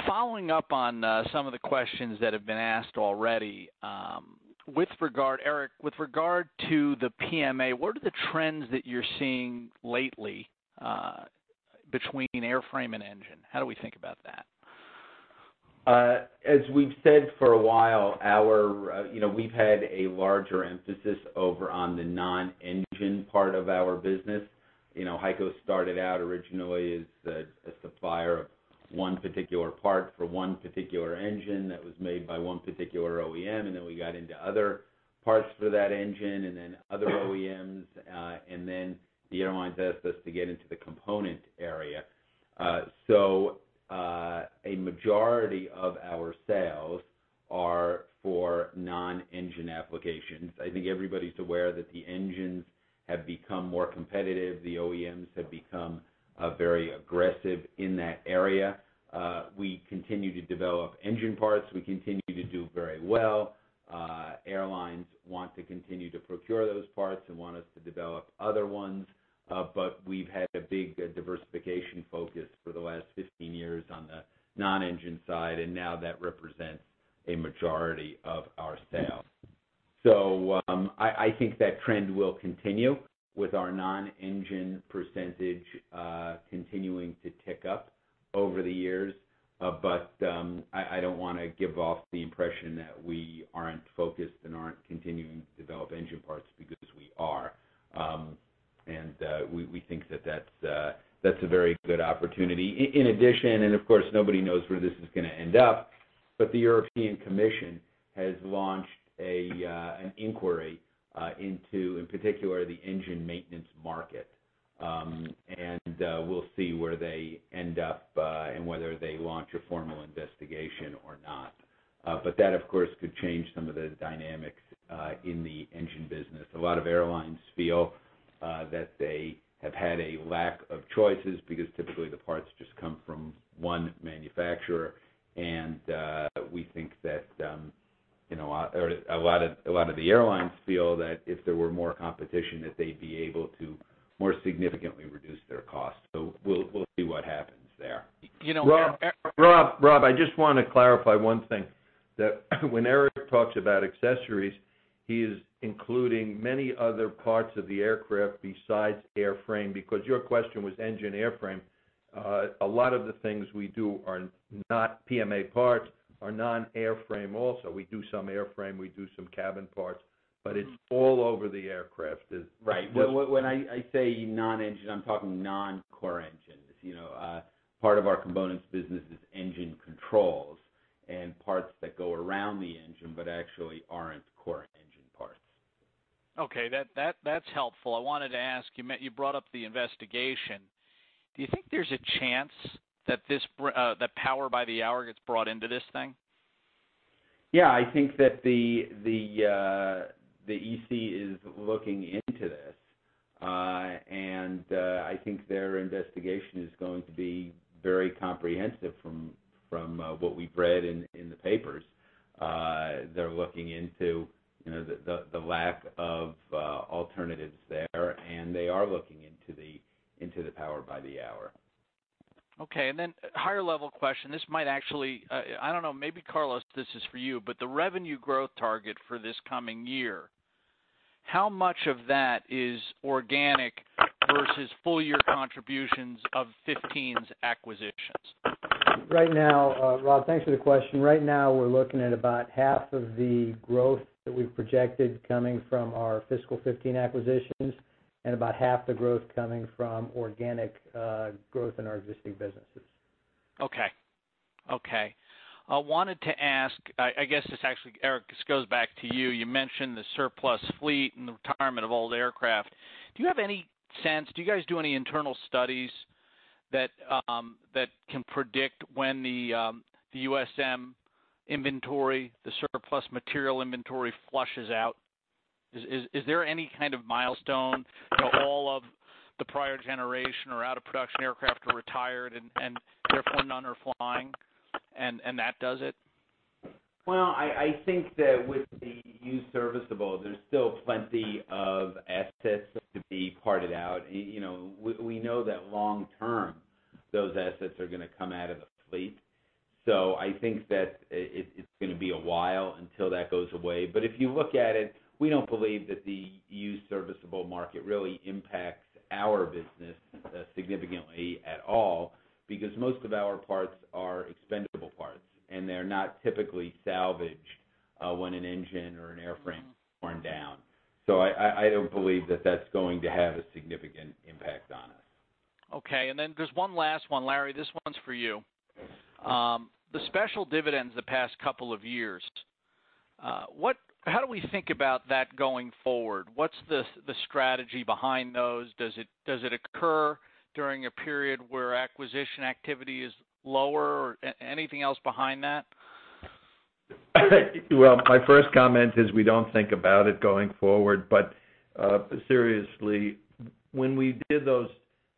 Following up on some of the questions that have been asked already, Eric, with regard to the PMA, what are the trends that you're seeing lately between airframe and engine? How do we think about that? As we've said for a while, we've had a larger emphasis over on the non-engine part of our business. HEICO started out originally as a supplier of one particular part for one particular engine that was made by one particular OEM, and then we got into other parts for that engine and then other OEMs, and then the airline says to us to get into the component area. A majority of our sales are for non-engine applications. I think everybody's aware that the engines have become more competitive. The OEMs have become very aggressive in that area. We continue to develop engine parts. We continue to do very well. Airlines want to continue to procure those parts and want us to develop other ones. We've had a big diversification focus for the last 15 years on the non-engine side, and now that represents a majority of our sales. I think that trend will continue with our non-engine percentage continuing to tick up over the years. I don't want to give off the impression that we aren't focused and aren't continuing to develop engine parts because we are. We think that that's a very good opportunity. In addition, and of course, nobody knows where this is going to end up, but the European Commission has launched an inquiry into, in particular, the engine maintenance market. We'll see where they end up and whether they launch a formal investigation or not. That, of course, could change some of the dynamics in the engine business. A lot of airlines feel that they have had a lack of choices because typically the parts just come from one manufacturer. We think that a lot of the airlines feel that if there were more competition, that they'd be able to more significantly reduce their costs. We'll see what happens there. Rob, I just want to clarify one thing, that when Eric talks about accessories, he is including many other parts of the aircraft besides airframe, because your question was engine airframe. A lot of the things we do are not PMA parts, are non-airframe also. We do some airframe, we do some cabin parts, but it's all over the aircraft. Right. When I say non-engine, I'm talking non-core engines. Part of our components business is engine controls and parts that go around the engine, but actually aren't core engine parts. Okay. That's helpful. I wanted to ask, you brought up the investigation. Do you think there's a chance that Power by the Hour gets brought into this thing? Yeah, I think that the EC is looking into this. I think their investigation is going to be very comprehensive from what we've read in the papers. They're looking into the lack of alternatives there, and they are looking into the Power by the Hour. Okay, a higher level question. This might actually, I don't know, maybe Carlos, this is for you, but the revenue growth target for this coming year, how much of that is organic versus full year contributions of 2015's acquisitions? Right now, Rob, thanks for the question. Right now, we're looking at about half of the growth that we've projected coming from our fiscal 2015 acquisitions, and about half the growth coming from organic growth in our existing businesses. Okay. I wanted to ask, I guess this actually, Eric, this goes back to you. You mentioned the surplus fleet and the retirement of old aircraft. Do you have any sense, do you guys do any internal studies that can predict when the USM inventory, the surplus material inventory flushes out? Is there any kind of milestone to all of the prior generation or out of production aircraft are retired and therefore none are flying, and that does it? Well, I think that with the used serviceable, there's still plenty of assets that could be parted out. We know that long term, those assets are going to come out of the fleet. I think that it's going to be a while until that goes away. If you look at it, we don't believe that the used serviceable market really impacts our business significantly at all, because most of our parts are expendable parts, and they're not typically salvaged when an engine or an airframe is torn down. I don't believe that that's going to have a significant impact on us. Okay, just one last one. Larry, this one's for you. The special dividends the past couple of years, how do we think about that going forward? What's the strategy behind those? Does it occur during a period where acquisition activity is lower or anything else behind that? Well, my first comment is we don't think about it going forward. Seriously, when we did those,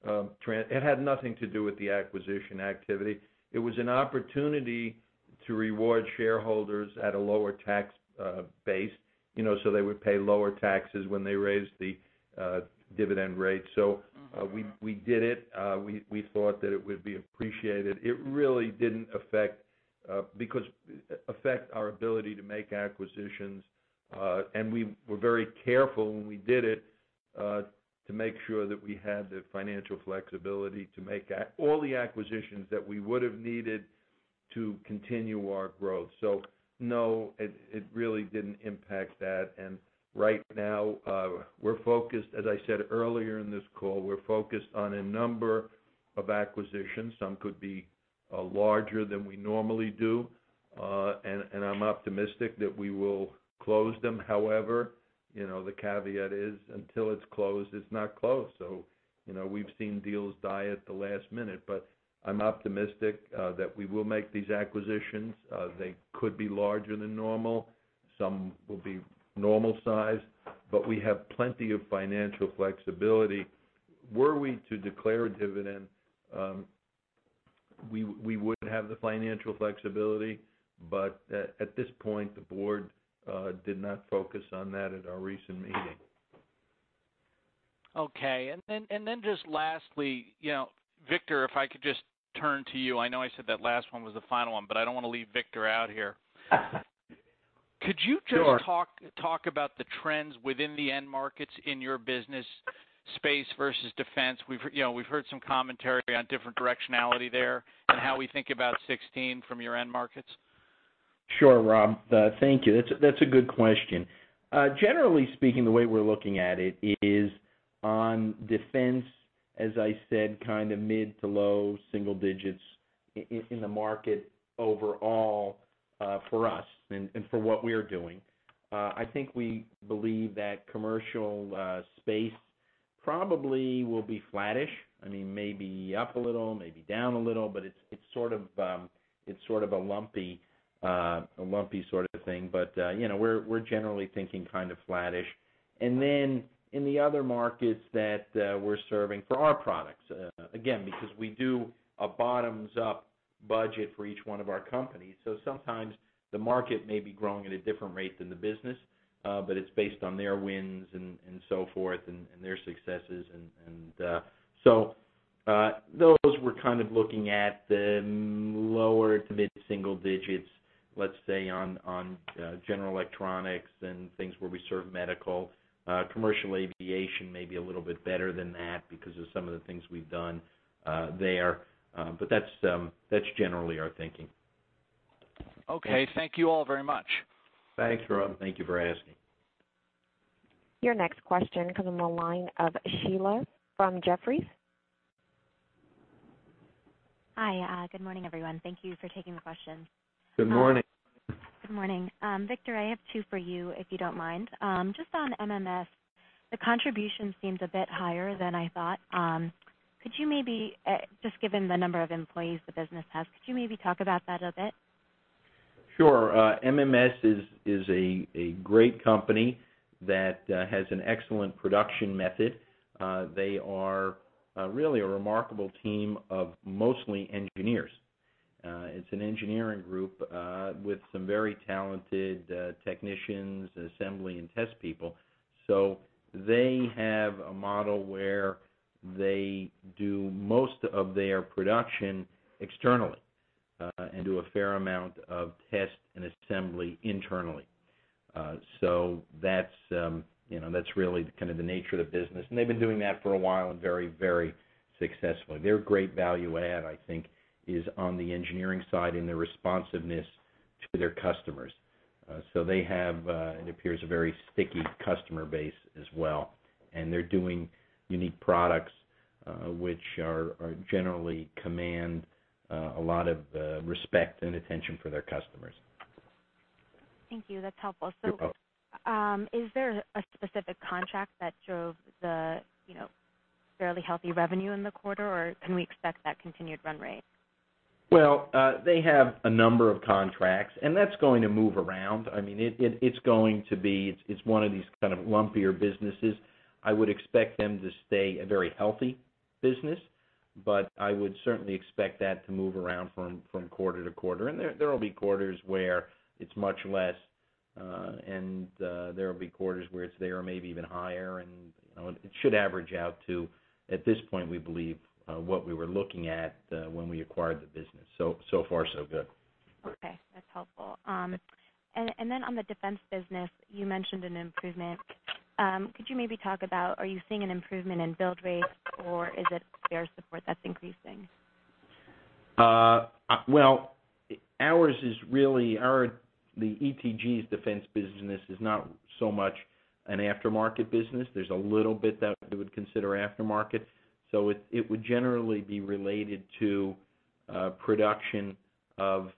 it had nothing to do with the acquisition activity. It was an opportunity to reward shareholders at a lower tax base, so they would pay lower taxes when they raised the dividend rate. We did it. We thought that it would be appreciated. It really didn't affect our ability to make acquisitions. We were very careful when we did it, to make sure that we had the financial flexibility to make all the acquisitions that we would've needed to continue our growth. No, it really didn't impact that. Right now, we're focused, as I said earlier in this call, we're focused on a number of acquisitions. Some could be larger than we normally do. I'm optimistic that we will close them. The caveat is, until it's closed, it's not closed. We've seen deals die at the last minute, I'm optimistic that we will make these acquisitions. They could be larger than normal. Some will be normal size. We have plenty of financial flexibility. Were we to declare a dividend, we would have the financial flexibility, at this point, the board did not focus on that at our recent meeting. Okay, lastly, Victor, if I could just turn to you. I know I said that last one was the final one, but I don't want to leave Victor out here. Sure. Could you just talk about the trends within the end markets in your business, space versus defense? We've heard some commentary on different directionality there, and how we think about 2016 from your end markets. Sure, Rob. Thank you. That's a good question. Generally speaking, the way we're looking at it is on defense, as I said, kind of mid to low single digits in the market overall for us and for what we are doing. I think we believe that commercial space probably will be flattish. Maybe up a little, maybe down a little, but it's sort of a lumpy sort of thing. We're generally thinking kind of flattish. In the other markets that we're serving for our products, again, because we do a bottoms-up budget for each one of our companies, so sometimes the market may be growing at a different rate than the business, but it's based on their wins and so forth and their successes. Those, we're kind of looking at the lower to mid single digits, let's say, on general electronics and things where we serve medical. Commercial aviation may be a little bit better than that because of some of the things we've done there. That's generally our thinking. Okay. Thank you all very much. Thanks, Rob. Thank you for asking. Your next question comes on the line of Sheila from Jefferies. Hi. Good morning, everyone. Thank you for taking the question. Good morning. Good morning. Victor, I have two for you, if you don't mind. Just on MMS, the contribution seems a bit higher than I thought. Just given the number of employees the business has, could you maybe talk about that a bit? Sure. MMS is a great company that has an excellent production method. They are really a remarkable team of mostly engineers It's an engineering group with some very talented technicians, assembly, and test people. They have a model where they do most of their production externally and do a fair amount of test and assembly internally. That's really the nature of the business. They've been doing that for a while very successfully. Their great value add, I think, is on the engineering side and their responsiveness to their customers. They have, it appears, a very sticky customer base as well, and they're doing unique products, which generally command a lot of respect and attention for their customers. Thank you. That's helpful. You're welcome. Is there a specific contract that drove the fairly healthy revenue in the quarter, or can we expect that continued run rate? Well, they have a number of contracts, and that's going to move around. It's one of these kind of lumpier businesses. I would expect them to stay a very healthy business, but I would certainly expect that to move around from quarter to quarter. There will be quarters where it's much less, and there will be quarters where it's there, maybe even higher. It should average out to, at this point, we believe, what we were looking at when we acquired the business. So far so good. Okay. That's helpful. On the defense business, you mentioned an improvement. Could you maybe talk about, are you seeing an improvement in build rates or is it spare support that's increasing? Well, the ETG's defense business is not so much an aftermarket business. There's a little bit that we would consider aftermarket. It would generally be related to production of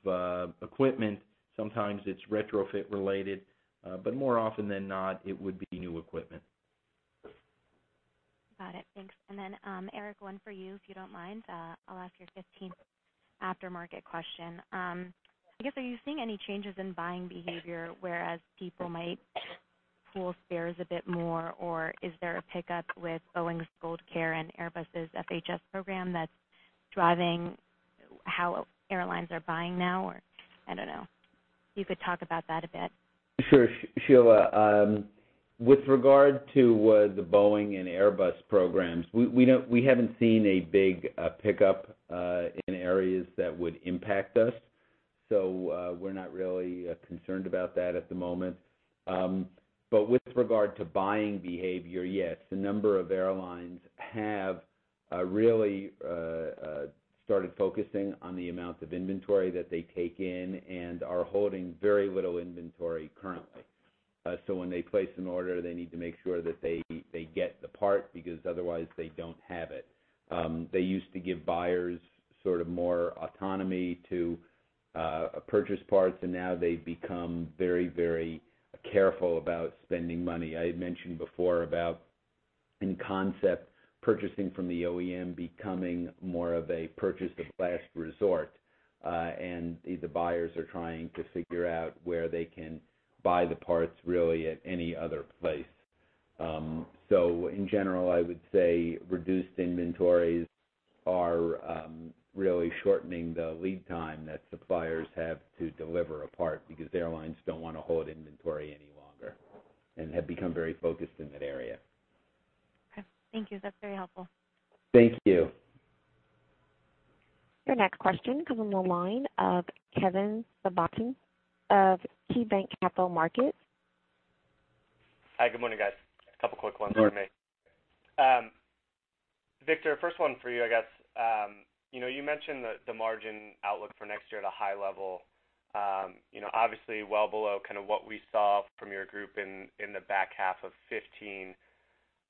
equipment. Sometimes it's retrofit related, but more often than not, it would be new equipment. Got it. Thanks. Eric, one for you, if you don't mind. I'll ask your 15th aftermarket question. I guess, are you seeing any changes in buying behavior, whereas people might pool spares a bit more, or is there a pickup with Boeing's GoldCare and Airbus's FHS program that's driving how airlines are buying now, or, I don't know, if you could talk about that a bit. Sure, Sheila. With regard to the Boeing and Airbus programs, we haven't seen a big pickup in areas that would impact us. We're not really concerned about that at the moment. With regard to buying behavior, yes, a number of airlines have really started focusing on the amount of inventory that they take in and are holding very little inventory currently. When they place an order, they need to make sure that they get the part, because otherwise they don't have it. They used to give buyers more autonomy to purchase parts, and now they've become very careful about spending money. I had mentioned before about, in concept, purchasing from the OEM becoming more of a purchase of last resort. The buyers are trying to figure out where they can buy the parts, really, at any other place. In general, I would say reduced inventories are really shortening the lead time that suppliers have to deliver a part, because airlines don't want to hold inventory any longer and have become very focused in that area. Okay. Thank you. That's very helpful. Thank you. Your next question comes on the line of Kevin Ciabattoni of KeyBanc Capital Markets. Hi, good morning, guys. A couple quick ones for me. Sure. Victor, first one for you, I guess. You mentioned the margin outlook for next year at a high level. Obviously, well below what we saw from your group in the back half of 2015.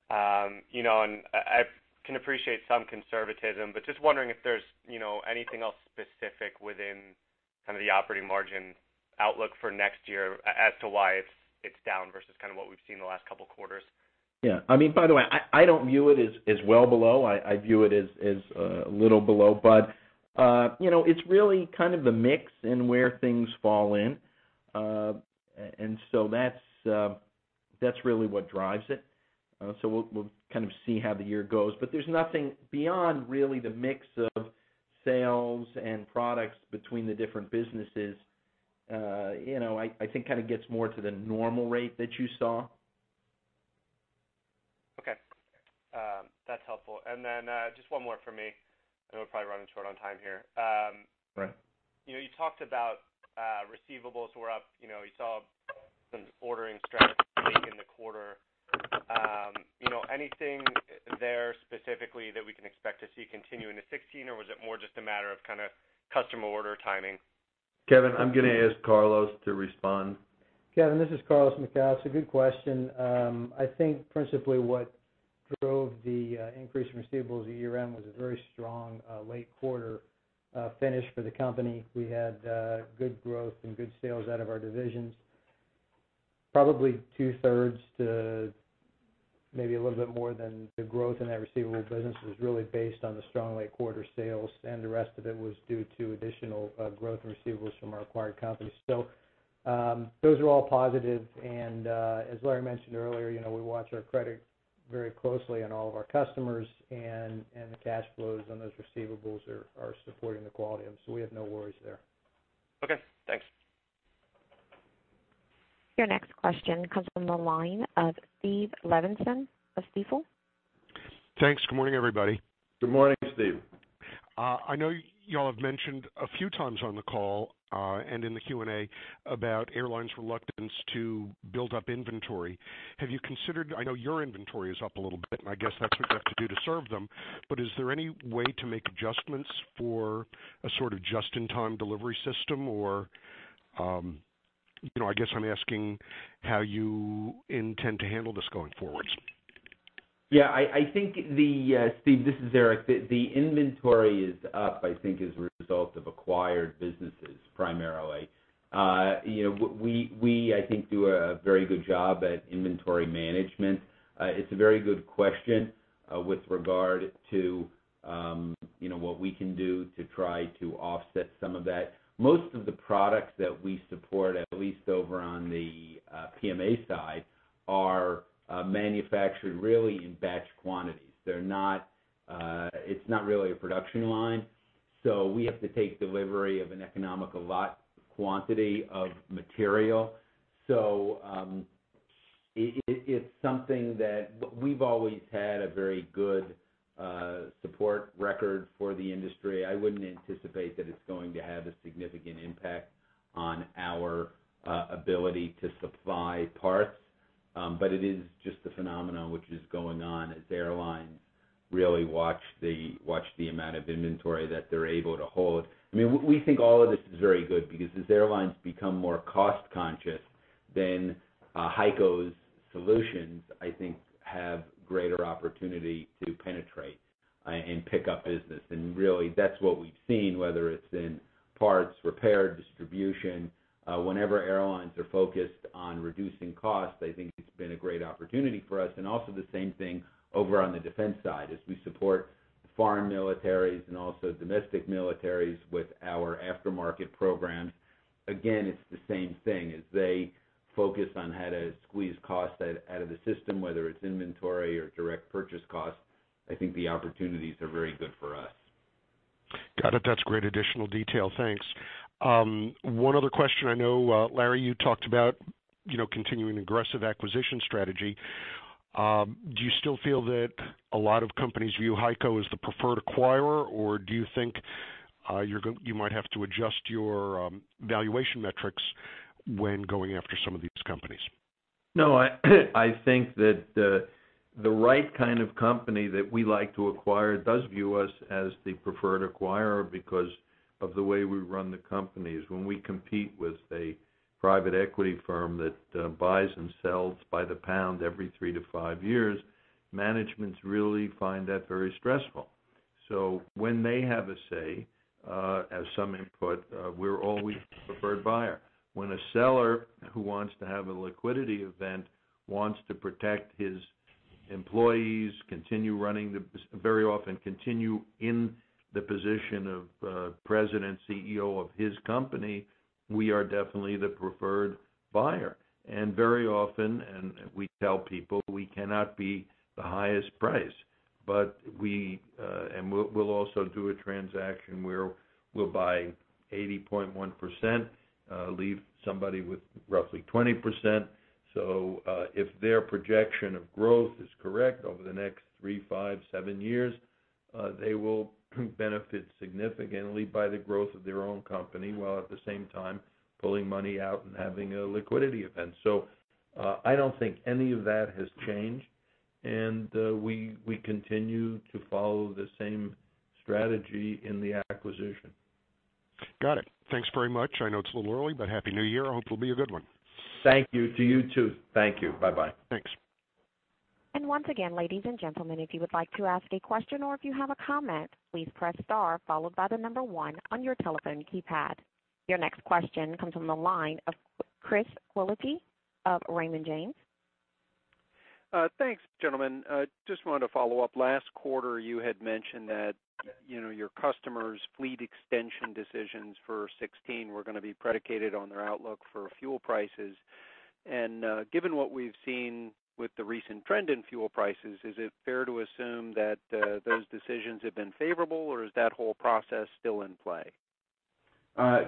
I can appreciate some conservatism, but just wondering if there's anything else specific within the operating margin outlook for next year as to why it's down versus what we've seen the last couple of quarters. Yeah. By the way, I don't view it as well below. I view it as a little below. It's really the mix and where things fall in. That's really what drives it. We'll see how the year goes, but there's nothing beyond, really, the mix of sales and products between the different businesses. I think it gets more to the normal rate that you saw. Okay. That's helpful. Just one more for me, I know we're probably running short on time here. Right. You talked about receivables were up. You saw some ordering strategy take in the quarter. Anything there specifically that we can expect to see continue into 2016, or was it more just a matter of customer order timing? Kevin, I'm going to ask Carlos to respond. Kevin, this is Carlos Macau. Good question. I think principally what drove the increase in receivables year-round was a very strong late quarter finish for the company. We had good growth and good sales out of our divisions. Probably two-thirds to maybe a little bit more than the growth in that receivable business was really based on the strong late quarter sales, and the rest of it was due to additional growth in receivables from our acquired companies. Those are all positive, and as Larry mentioned earlier, we watch our credit Very closely on all of our customers, and the cash flows on those receivables are supporting the quality, and so we have no worries there. Okay, thanks. Your next question comes from the line of Steve Levenson of Stifel. Thanks. Good morning, everybody. Good morning, Steve. I know you all have mentioned a few times on the call, and in the Q&A, about airlines' reluctance to build up inventory. Have you considered, I know your inventory is up a little bit, and I guess that's what you have to do to serve them, but is there any way to make adjustments for a sort of just-in-time delivery system or, I guess I'm asking how you intend to handle this going forward. Yeah. Steve, this is Eric. The inventory is up, I think, as a result of acquired businesses primarily. We, I think, do a very good job at inventory management. It's a very good question with regard to what we can do to try to offset some of that. Most of the products that we support, at least over on the PMA side, are manufactured really in batch quantities. It's not really a production line. We have to take delivery of an economical lot quantity of material. It's something that we've always had a very good support record for the industry. I wouldn't anticipate that it's going to have a significant impact on our ability to supply parts. It is just a phenomenon which is going on as airlines really watch the amount of inventory that they're able to hold. We think all of this is very good because as airlines become more cost-conscious, HEICO's solutions, I think, have greater opportunity to penetrate and pick up business. Really, that's what we've seen, whether it's in parts, repair, distribution. Whenever airlines are focused on reducing costs, I think it's been a great opportunity for us. Also the same thing over on the defense side, as we support foreign militaries and also domestic militaries with our aftermarket programs. Again, it's the same thing. As they focus on how to squeeze costs out of the system, whether it's inventory or direct purchase costs, I think the opportunities are very good for us. Got it. That's great additional detail. Thanks. One other question. I know, Larry, you talked about continuing aggressive acquisition strategy. Do you still feel that a lot of companies view HEICO as the preferred acquirer, or do you think you might have to adjust your valuation metrics when going after some of these companies? No, I think that the right kind of company that we like to acquire does view us as the preferred acquirer because of the way we run the companies. When we compete with a private equity firm that buys and sells by the pound every 3-5 years, managements really find that very stressful. When they have a say, as some input, we're always the preferred buyer. When a seller who wants to have a liquidity event wants to protect his employees, very often continue in the position of president, CEO of his company, we are definitely the preferred buyer. Very often, and we tell people we cannot be the highest price, and we'll also do a transaction where we'll buy 80.1%, leave somebody with roughly 20%. If their projection of growth is correct over the next three, five, seven years, they will benefit significantly by the growth of their own company, while at the same time, pulling money out and having a liquidity event. I don't think any of that has changed, and we continue to follow the same strategy in the acquisition. Got it. Thanks very much. I know it's a little early, but Happy New Year. I hope it'll be a good one. Thank you. To you, too. Thank you. Bye-bye. Thanks. Once again, ladies and gentlemen, if you would like to ask a question or if you have a comment, please press star followed by 1 on your telephone keypad. Your next question comes from the line of Chris Willacy of Raymond James. Thanks, gentlemen. Just wanted to follow up. Last quarter, you had mentioned that your customers' fleet extension decisions for 2016 were going to be predicated on their outlook for fuel prices. Given what we've seen with the recent trend in fuel prices, is it fair to assume that those decisions have been favorable, or is that whole process still in play?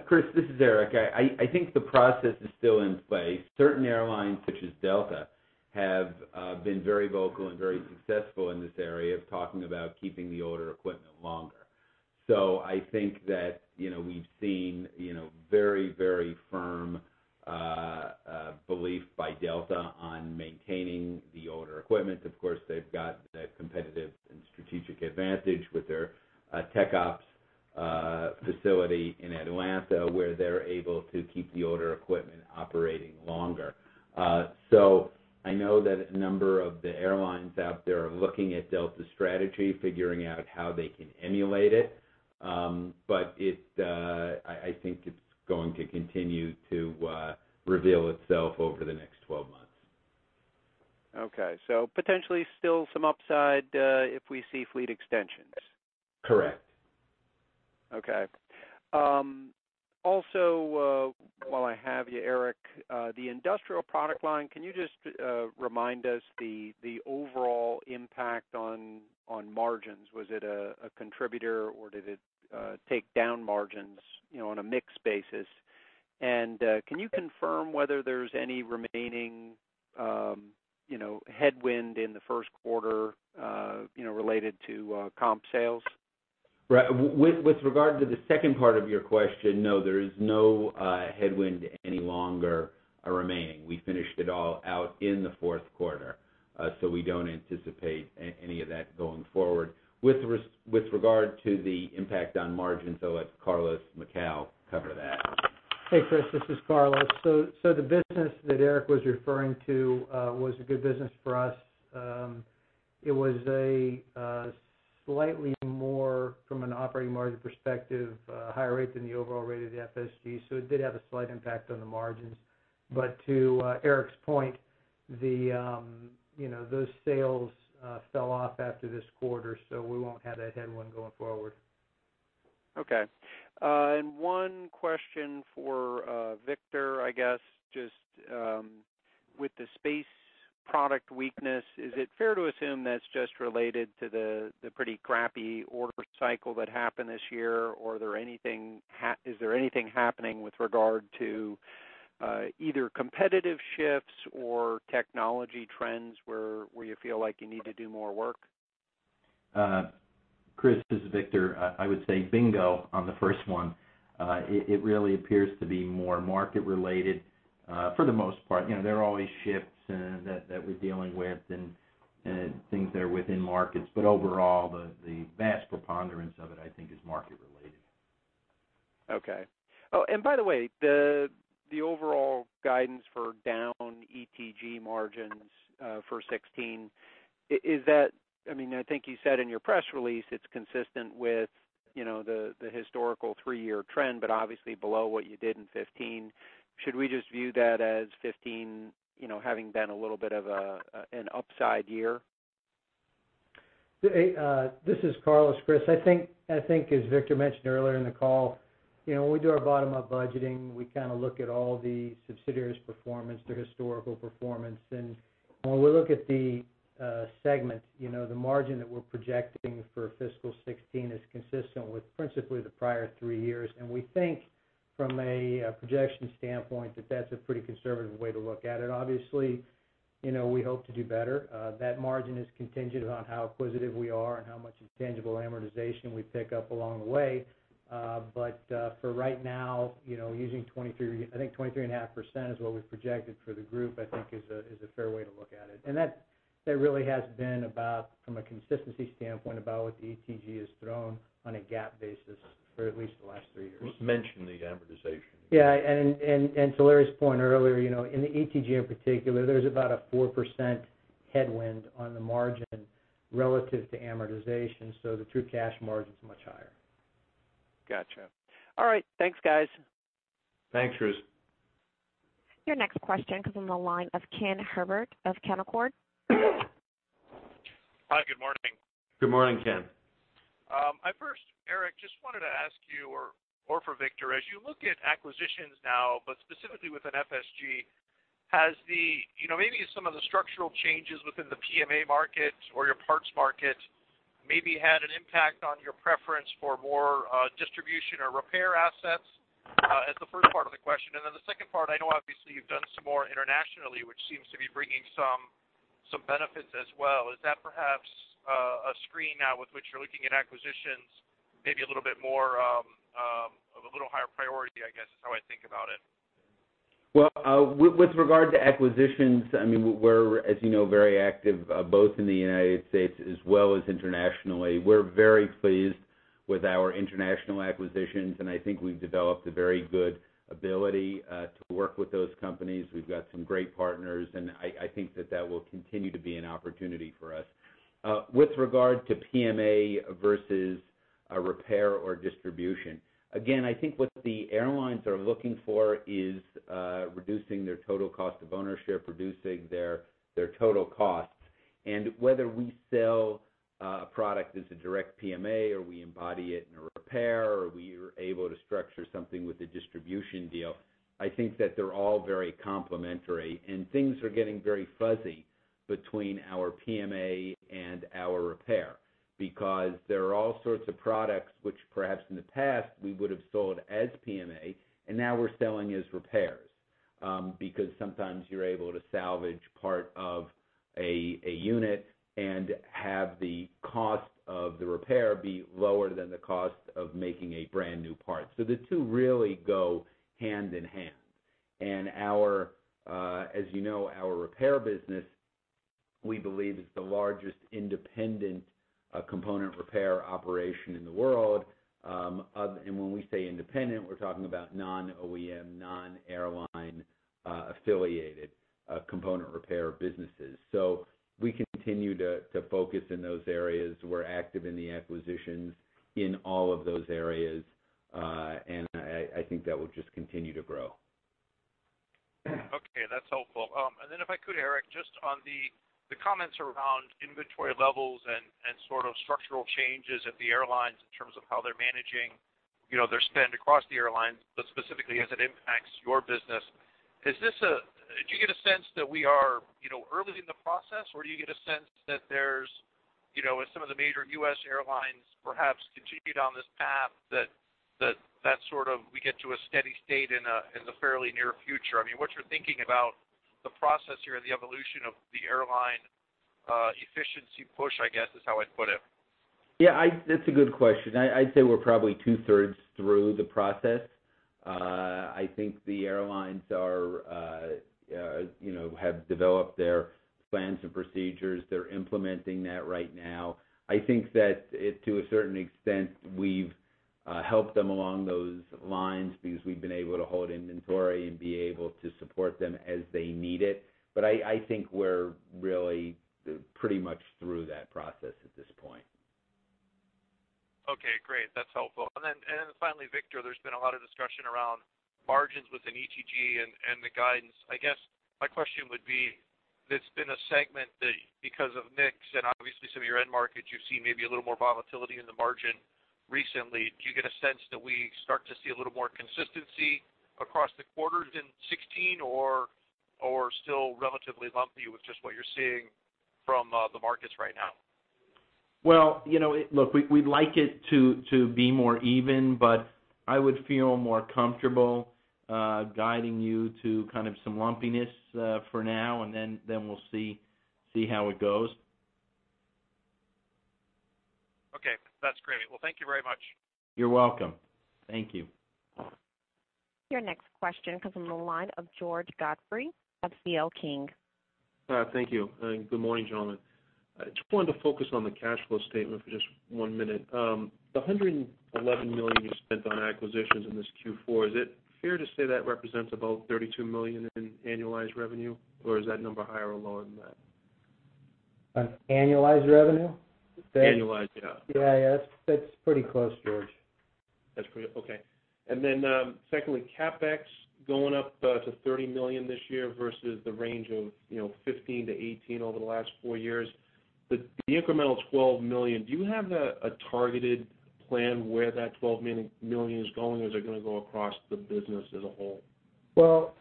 Chris, this is Eric. I think the process is still in play. Certain airlines, such as Delta, have been very vocal and very successful in this area of talking about keeping the older equipment longer. I think that we've seen very firm belief by Delta on maintaining the older equipment. Of course, they've got that competitive and strategic advantage with their TechOps facility in Atlanta, where they're able to keep the older equipment operating longer. I know that a number of the airlines out there are looking at Delta's strategy, figuring out how they can emulate it. I think it's going to continue to reveal itself over the next 12 months. Okay. Potentially still some upside if we see fleet extensions. Correct. Okay. Also, while I have you, Eric, the industrial product line, can you just remind us the overall impact on margins? Was it a contributor or did it take down margins on a mix basis? Can you confirm whether there's any remaining headwind in the first quarter, related to comp sales? Right. With regard to the second part of your question, no, there is no headwind any longer remaining. We finished it all out in the fourth quarter. We don't anticipate any of that going forward. With regard to the impact on margins, though, I'll let Carlos Macau cover that. Hey, Chris, this is Carlos. The business that Eric was referring to was a good business for us. It was a slightly more, from an operating margin perspective, higher rate than the overall rate of the FSG, so it did have a slight impact on the margins. To Eric's point, those sales fell off after this quarter, so we won't have that headwind going forward. Okay. One question for Victor, I guess, just with the space product weakness, is it fair to assume that's just related to the pretty crappy order cycle that happened this year? Or is there anything happening with regard to either competitive shifts or technology trends where you feel like you need to do more work? Chris, this is Victor. I would say bingo on the first one. It really appears to be more market related for the most part. There are always shifts that we're dealing with and things there within markets. Overall, the vast preponderance of it, I think, is market related. Okay. By the way, the overall guidance for down ETG margins for 2016, I think you said in your press release it's consistent with the historical three-year trend, but obviously below what you did in 2015. Should we just view that as 2015 having been a little bit of an upside year? This is Carlos, Chris. I think, as Victor mentioned earlier in the call, when we do our bottom-up budgeting, we look at all the subsidiaries' performance, their historical performance. When we look at the segment, the margin that we're projecting for fiscal 2016 is consistent with principally the prior three years. We think from a projection standpoint, that that's a pretty conservative way to look at it. Obviously, we hope to do better. That margin is contingent on how acquisitive we are and how much intangible amortization we pick up along the way. But for right now, using I think 23.5% is what we've projected for the group, I think is a fair way to look at it. And that really has been about, from a consistency standpoint, about what the ETG has thrown on a GAAP basis for at least the last three years. Mention the amortization. Yeah, to Larry's point earlier, in the ETG in particular, there's about a 4% headwind on the margin relative to amortization, so the true cash margin's much higher. Gotcha. All right. Thanks, guys. Thanks, Chris. Your next question comes on the line of Ken Herbert of Canaccord. Hi. Good morning. Good morning, Ken. I first, Eric, just wanted to ask you or for Victor, as you look at acquisitions now, but specifically within FSG, has maybe some of the structural changes within the PMA market or your parts market maybe had an impact on your preference for more distribution or repair assets? That's the first part of the question. Then the second part, I know obviously you've done some more internationally, which seems to be bringing some benefits as well. Is that perhaps a screen now with which you're looking at acquisitions maybe of a little higher priority, I guess, is how I think about it? Well, with regard to acquisitions, we're, as you know, very active both in the U.S. as well as internationally. We're very pleased with our international acquisitions, and I think we've developed a very good ability to work with those companies. We've got some great partners, and I think that that will continue to be an opportunity for us. With regard to PMA versus a repair or distribution, again, I think what the airlines are looking for is reducing their total cost of ownership, reducing their total costs. Whether we sell a product as a direct PMA or we embody it in a repair or we're able to structure something with a distribution deal, I think that they're all very complementary. Things are getting very fuzzy between our PMA and our repair, because there are all sorts of products which perhaps in the past we would've sold as PMA and now we're selling as repairs. Because sometimes you're able to salvage part of a unit and have the cost of the repair be lower than the cost of making a brand new part. The two really go hand in hand. As you know, our repair business, we believe, is the largest independent component repair operation in the world. When we say independent, we're talking about non-OEM, non-airline affiliated component repair businesses. We continue to focus in those areas. We're active in the acquisitions in all of those areas. I think that will just continue to grow. Okay, that's helpful. Then if I could, Eric, just on the comments around inventory levels and structural changes at the airlines in terms of how they're managing their spend across the airlines, but specifically as it impacts your business. Do you get a sense that we are early in the process or do you get a sense that there's, as some of the major U.S. airlines perhaps continue down this path, that we get to a steady state in the fairly near future? I mean, what's your thinking about the process here and the evolution of the airline efficiency push, I guess, is how I'd put it? Yeah, that's a good question. I'd say we're probably two-thirds through the process. I think the airlines have developed their plans and procedures. They're implementing that right now. I think that to a certain extent, we've helped them along those lines because we've been able to hold inventory and be able to support them as they need it. I think we're really pretty much through that process at this point. Okay, great. That's helpful. Finally, Victor, there's been a lot of discussion around margins within ETG and the guidance. I guess my question would be, it's been a segment that because of mix and obviously some of your end markets, you've seen maybe a little more volatility in the margin recently. Do you get a sense that we start to see a little more consistency across the quarters in 2016 or still relatively lumpy with just what you're seeing from the markets right now? Well, look, we'd like it to be more even. I would feel more comfortable guiding you to kind of some lumpiness for now. Then we'll see how it goes. Okay, that's great. Well, thank you very much. You're welcome. Thank you. Your next question comes from the line of George Godfrey of CL King. Thank you, good morning, gentlemen. I just wanted to focus on the cash flow statement for just one minute. The $111 million you spent on acquisitions in this Q4, is it fair to say that represents about $32 million in annualized revenue, or is that number higher or lower than that? On annualized revenue? Annualized, yeah. Yeah, that's pretty close, George. That's great. Okay. Secondly, CapEx going up to $30 million this year versus the range of $15 million-$18 million over the last four years. The incremental $12 million, do you have a targeted plan where that $12 million is going, or is it going to go across the business as a whole? Well,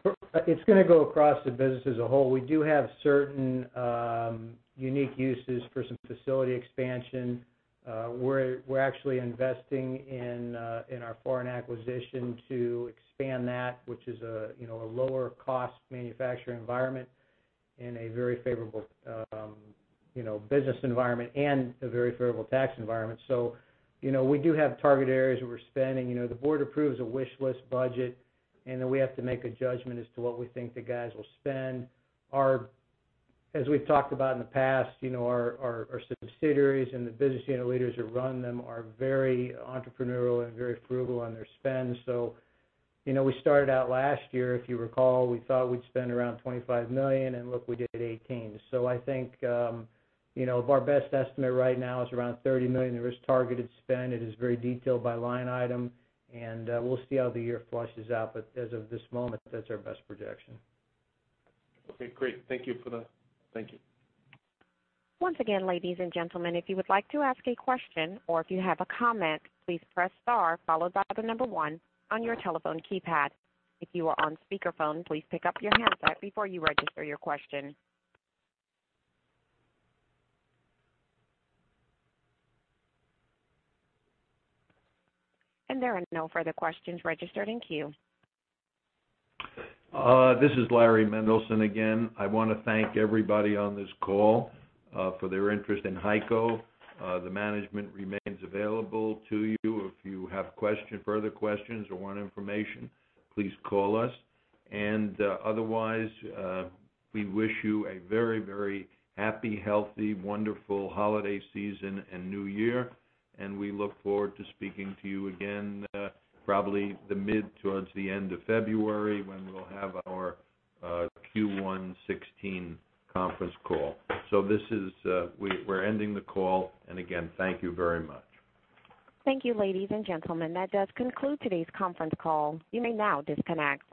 it's going to go across the business as a whole. We do have certain unique uses for some facility expansion. We're actually investing in our foreign acquisition to expand that, which is a lower cost manufacturing environment in a very favorable business environment and a very favorable tax environment. We do have target areas where we're spending. The board approves a wishlist budget, then we have to make a judgment as to what we think the guys will spend. As we've talked about in the past, our subsidiaries and the business unit leaders who run them are very entrepreneurial and very frugal on their spend. We started out last year, if you recall, we thought we'd spend around $25 million, and look, we did $18 million. I think our best estimate right now is around $30 million. There is targeted spend. It is very detailed by line item, we'll see how the year flushes out. As of this moment, that's our best projection. Okay, great. Thank you for that. Thank you. Once again, ladies and gentlemen, if you would like to ask a question or if you have a comment, please press star followed by the number 1 on your telephone keypad. If you are on speakerphone, please pick up your handset before you register your question. There are no further questions registered in queue. This is Larry Mendelson again. I want to thank everybody on this call for their interest in HEICO. The management remains available to you. If you have further questions or want information, please call us. Otherwise, we wish you a very, very happy, healthy, wonderful holiday season and New Year, and we look forward to speaking to you again, probably the mid towards the end of February, when we'll have our Q1 2016 conference call. We're ending the call, and again, thank you very much. Thank you, ladies and gentlemen. That does conclude today's conference call. You may now disconnect.